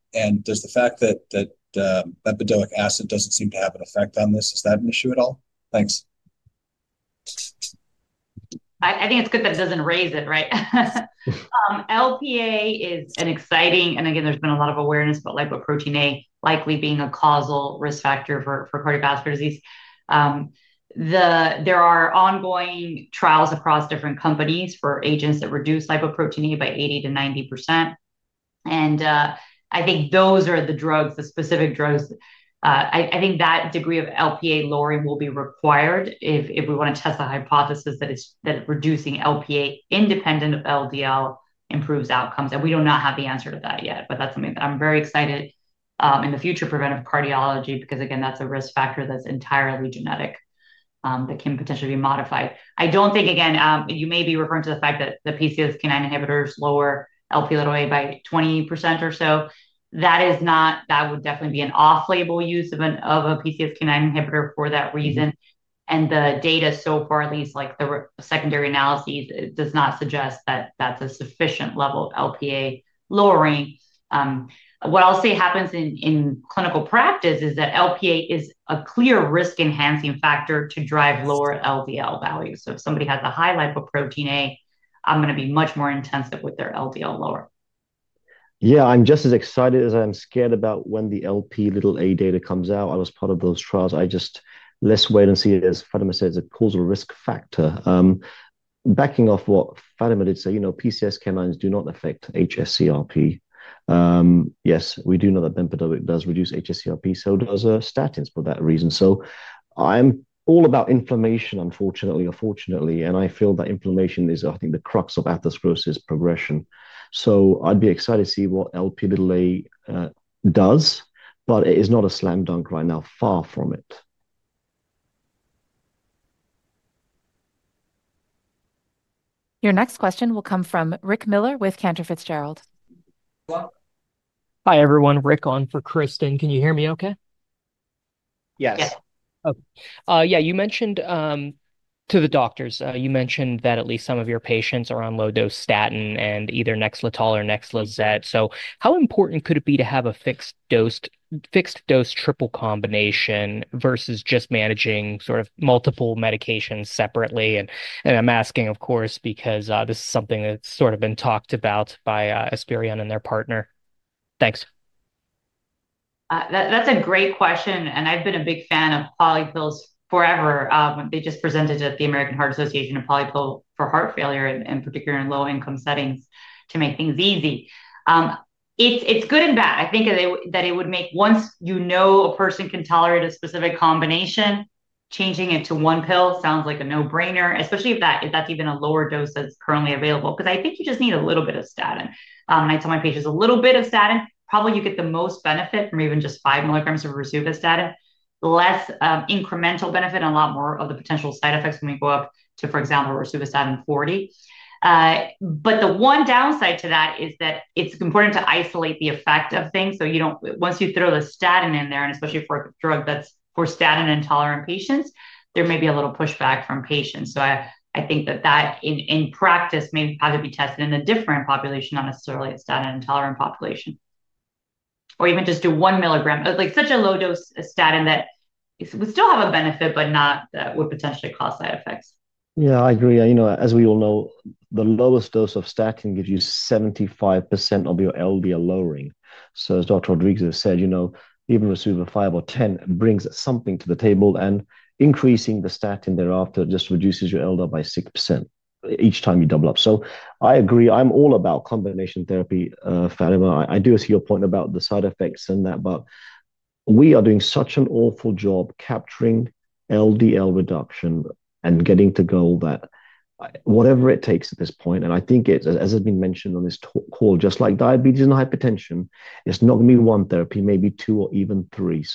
Does the fact that bempedoic acid does not seem to have an effect on this, is that an issue at all? Thanks. I think it is good that it does not raise it, right? Lp(a) is an exciting—and again, there has been a lot of awareness about lipoprotein(a) likely being a causal risk factor for cardiovascular disease. There are ongoing trials across different companies for agents that reduce lipoprotein(a) by 80%-90%. I think those are the drugs, the specific drugs. I think that degree of Lp(a) lowering will be required if we want to test the hypothesis that reducing Lp(a) independent of LDL improves outcomes. We do not have the answer to that yet, but that is something that I am very excited about in the future of preventive cardiology because, again, that is a risk factor that is entirely genetic that can potentially be modified. I don't think, again, you may be referring to the fact that the PCSK9 inhibitors lower Lp(a) by 20% or so. That would definitely be an off-label use of a PCSK9 inhibitor for that reason. The data so far, at least the secondary analyses, does not suggest that that's a sufficient level of Lp(a) lowering. What I'll say happens in clinical practice is that Lp(a) is a clear risk-enhancing factor to drive lower LDL values. If somebody has a high lipoprotein(a), I'm going to be much more intensive with their LDL lower. Yeah. I'm just as excited as I'm scared about when the Lp(a) data comes out. I was part of those trials. I just—let's wait and see. It is, Fatima says, it pulls a risk factor. Backing off what Fatima did say, PCSK9s do not affect hsCRP. Yes, we do know that bempedoic acid does reduce hsCRP, so do statins for that reason. I am all about inflammation, unfortunately or fortunately, and I feel that inflammation is, I think, the crux of atherosclerosis progression. I would be excited to see what Lp(a) does, but it is not a slam dunk right now, far from it. Your next question will come from Rick Miller with Cantor Fitzgerald. Hi, everyone. Rick on for Kristen. Can you hear me okay? Yes. Yes. Yeah. You mentioned to the doctors, you mentioned that at least some of your patients are on low-dose statin and either Nexletol or Nexlizet. How important could it be to have a fixed-dose triple combination versus just managing sort of multiple medications separately? I am asking, of course, because this is something that has sort of been talked about by Esperion and their partner. Thanks. That is a great question. I've been a big fan of poly pills forever. They just presented at the American Heart Association a poly pill for heart failure, in particular in low-income settings, to make things easy. It's good and bad. I think that it would make—once you know a person can tolerate a specific combination, changing it to one pill sounds like a no-brainer, especially if that's even a lower dose that's currently available. I think you just need a little bit of statin. I tell my patients, a little bit of statin, probably you get the most benefit from even just 5 mg of rosuvastatin, less incremental benefit and a lot more of the potential side effects when we go up to, for example, rosuvastatin 40. The one downside to that is that it's important to isolate the effect of things. Once you throw the statin in there, and especially for a drug that's for statin-intolerant patients, there may be a little pushback from patients. I think that in practice may have to be tested in a different population, not necessarily a statin-intolerant population. Or even just do 1 mg. It's such a low-dose statin that we still have a benefit, but not that would potentially cause side effects. Yeah, I agree. As we all know, the lowest dose of statin gives you 75% of your LDL lowering. As Dr. Rodriguez has said, even rosuvastatin 5 or 10 brings something to the table, and increasing the statin thereafter just reduces your LDL by 6% each time you double up. I agree. I'm all about combination therapy, Fatima. I do see your point about the side effects and that, but we are doing such an awful job capturing LDL reduction and getting to goal that whatever it takes at this point. I think, as has been mentioned on this call, just like diabetes and hypertension, it's not going to be one therapy, maybe two or even three.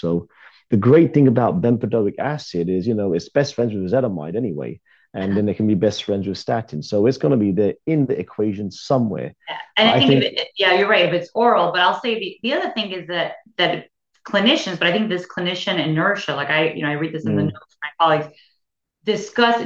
The great thing about bempedoic acid is it's best friends with ezetimibe anyway, and then it can be best friends with statin. It's going to be there in the equation somewhere. Yeah, I think. Yeah, you're right if it's oral. I'll say the other thing is that clinicians, but I think this clinician inertia, like I read this in the notes from my colleagues, discuss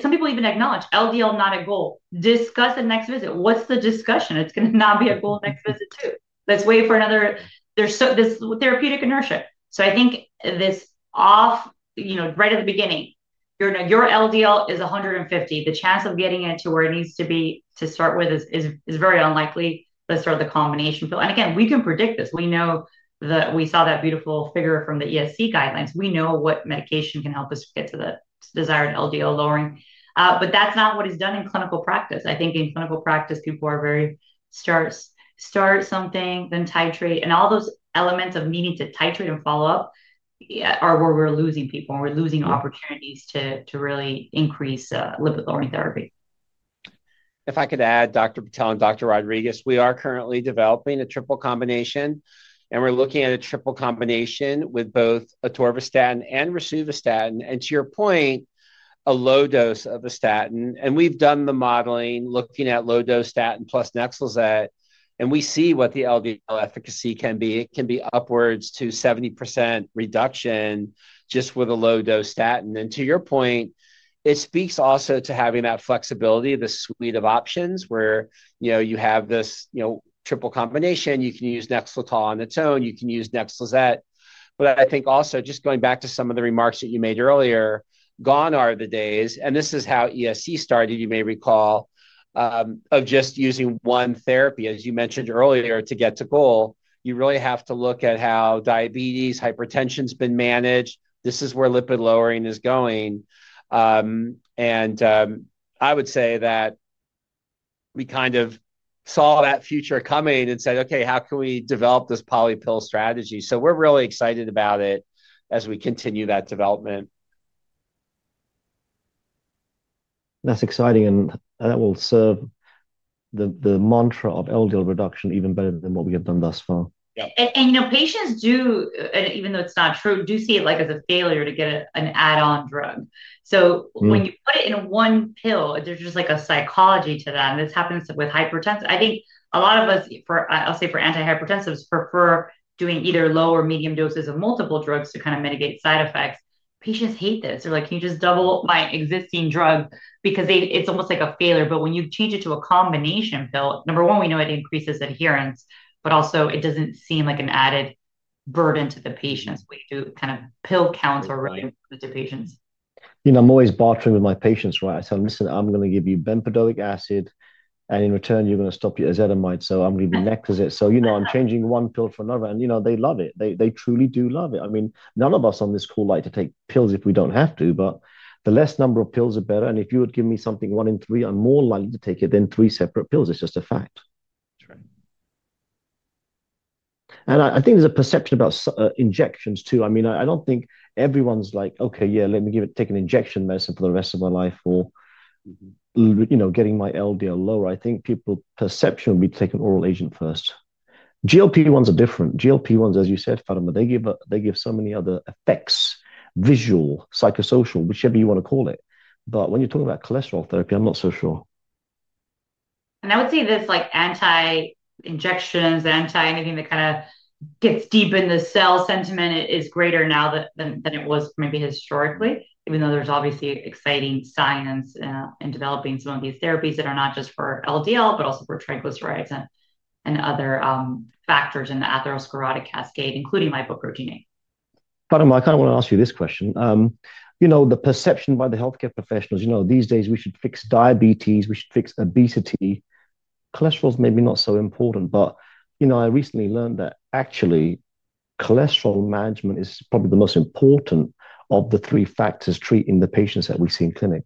some people even acknowledge LDL not at goal. Discuss at next visit. What's the discussion? It's going to not be a goal next visit too. Let's wait for another—there's therapeutic inertia. I think this off right at the beginning, your LDL is 150. The chance of getting it to where it needs to be to start with is very unlikely. Let's start the combination pill. Again, we can predict this. We know that we saw that beautiful figure from the ESC guidelines. We know what medication can help us get to the desired LDL lowering. That's not what is done in clinical practice. I think in clinical practice, people are very—start something, then titrate. All those elements of needing to titrate and follow up are where we're losing people, and we're losing opportunities to really increase lipid-lowering therapy. If I could add, Dr. Patel and Dr. Rodriguez, we are currently developing a triple combination, and we're looking at a triple combination with both atorvastatin and rosuvastatin. To your point, a low dose of a statin. We've done the modeling looking at low-dose statin plus Nexlizet. We see what the LDL efficacy can be. It can be upwards to 70% reduction just with a low-dose statin. To your point, it speaks also to having that flexibility, the suite of options where you have this triple combination. You can use Nexletol on its own. You can use Nexlizet. I think also, just going back to some of the remarks that you made earlier, gone are the days. This is how ESC started, you may recall, of just using one therapy, as you mentioned earlier, to get to goal. You really have to look at how diabetes, hypertension has been managed. This is where lipid lowering is going. I would say that we kind of saw that future coming and said, "Okay, how can we develop this poly pill strategy?" We are really excited about it as we continue that development. That is exciting. That will serve the mantra of LDL reduction even better than what we have done thus far. Yeah. Patients do, even though it is not true, see it as a failure to get an add-on drug. When you put it in one pill, there is just like a psychology to that. This happens with hypertensive. I think a lot of us, I will say for antihypertensives, prefer doing either low or medium doses of multiple drugs to kind of mitigate side effects. Patients hate this. They are like, "Can you just double my existing drug?" Because it is almost like a failure. When you change it to a combination pill, number one, we know it increases adherence, but also it does not seem like an added burden to the patients when you do kind of pill counts or to patients. I am always bartering with my patients, right? I said, "Listen, I am going to give you bempedoic acid, and in return, you are going to stop your ezetimibe. So I am going to give you Nexlizet." I am changing one pill for another. And they love it. They truly do love it. I mean, none of us on this call like to take pills if we do not have to, but the less number of pills are better. If you would give me something one in three, I am more likely to take it than three separate pills. It is just a fact. That is right. I think there is a perception about injections too. I mean, I do not think everyone's like, "Okay, yeah, let me take an injection medicine for the rest of my life or getting my LDL lower." I think people's perception would be to take an oral agent first. GLP-1s are different. GLP-1s, as you said, Fatima, they give so many other effects, visual, psychosocial, whichever you want to call it. When you are talking about cholesterol therapy, I am not so sure. I would say this anti-injections, anti anything that kind of gets deep in the cell sentiment is greater now than it was maybe historically, even though there is obviously exciting science in developing some of these therapies that are not just for LDL, but also for triglycerides and other factors in the atherosclerotic cascade, including lipoprotein(a). Fatima, I kind of want to ask you this question. The perception by the healthcare professionals, these days, we should fix diabetes, we should fix obesity. Cholesterol's maybe not so important, but I recently learned that actually cholesterol management is probably the most important of the three factors treating the patients that we see in clinic.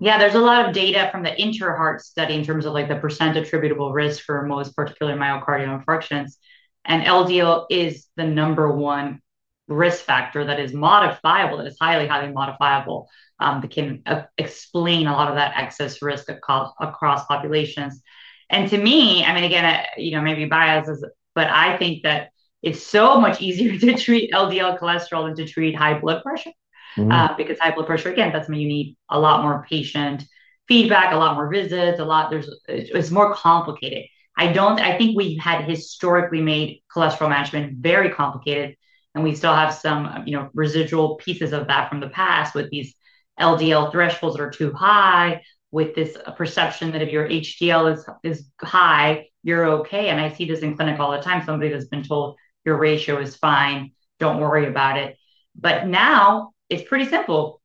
Yeah, there's a lot of data from the IntraHeart study in terms of the % attributable risk for most particular myocardial infarctions. And LDL is the number one risk factor that is modifiable, that is highly highly modifiable. It can explain a lot of that excess risk across populations. And to me, I mean, again, maybe biases, but I think that it's so much easier to treat LDL cholesterol than to treat high blood pressure. Because high blood pressure, again, that's when you need a lot more patient feedback, a lot more visits. It's more complicated. I think we had historically made cholesterol management very complicated, and we still have some residual pieces of that from the past with these LDL thresholds that are too high, with this perception that if your HDL is high, you're okay. I see this in clinic all the time. Somebody that's been told your ratio is fine. Don't worry about it. Now it's pretty simple.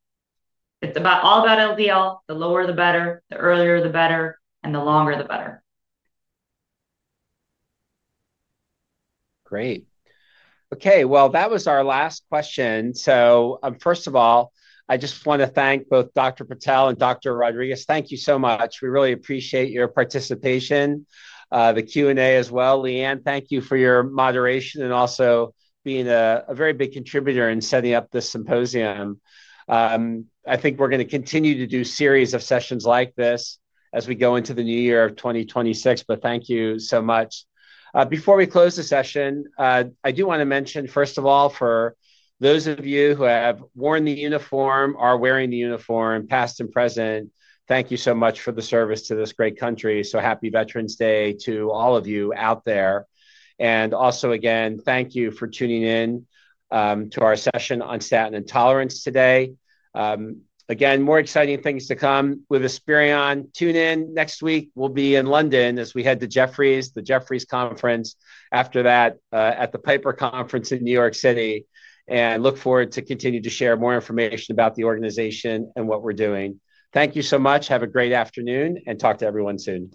It's all about LDL. The lower, the better. The earlier, the better. The longer, the better. Great. Okay. That was our last question. First of all, I just want to thank both Dr. Patel and Dr. Rodriguez. Thank you so much. We really appreciate your participation. The Q&A as well. LeAnne, thank you for your moderation and also being a very big contributor in setting up this symposium. I think we're going to continue to do a series of sessions like this as we go into the new year of 2026, but thank you so much. Before we close the session, I do want to mention, first of all, for those of you who have worn the uniform, are wearing the uniform, past and present, thank you so much for the service to this great country. So happy Veterans Day to all of you out there. Also, again, thank you for tuning in to our session on statin intolerance today. Again, more exciting things to come with Esperion. Tune in next week. We'll be in London as we head to Jefferies, the Jefferies Conference. After that, at the Piper Conference in New York City. I look forward to continuing to share more information about the organization and what we're doing. Thank you so much. Have a great afternoon and talk to everyone soon.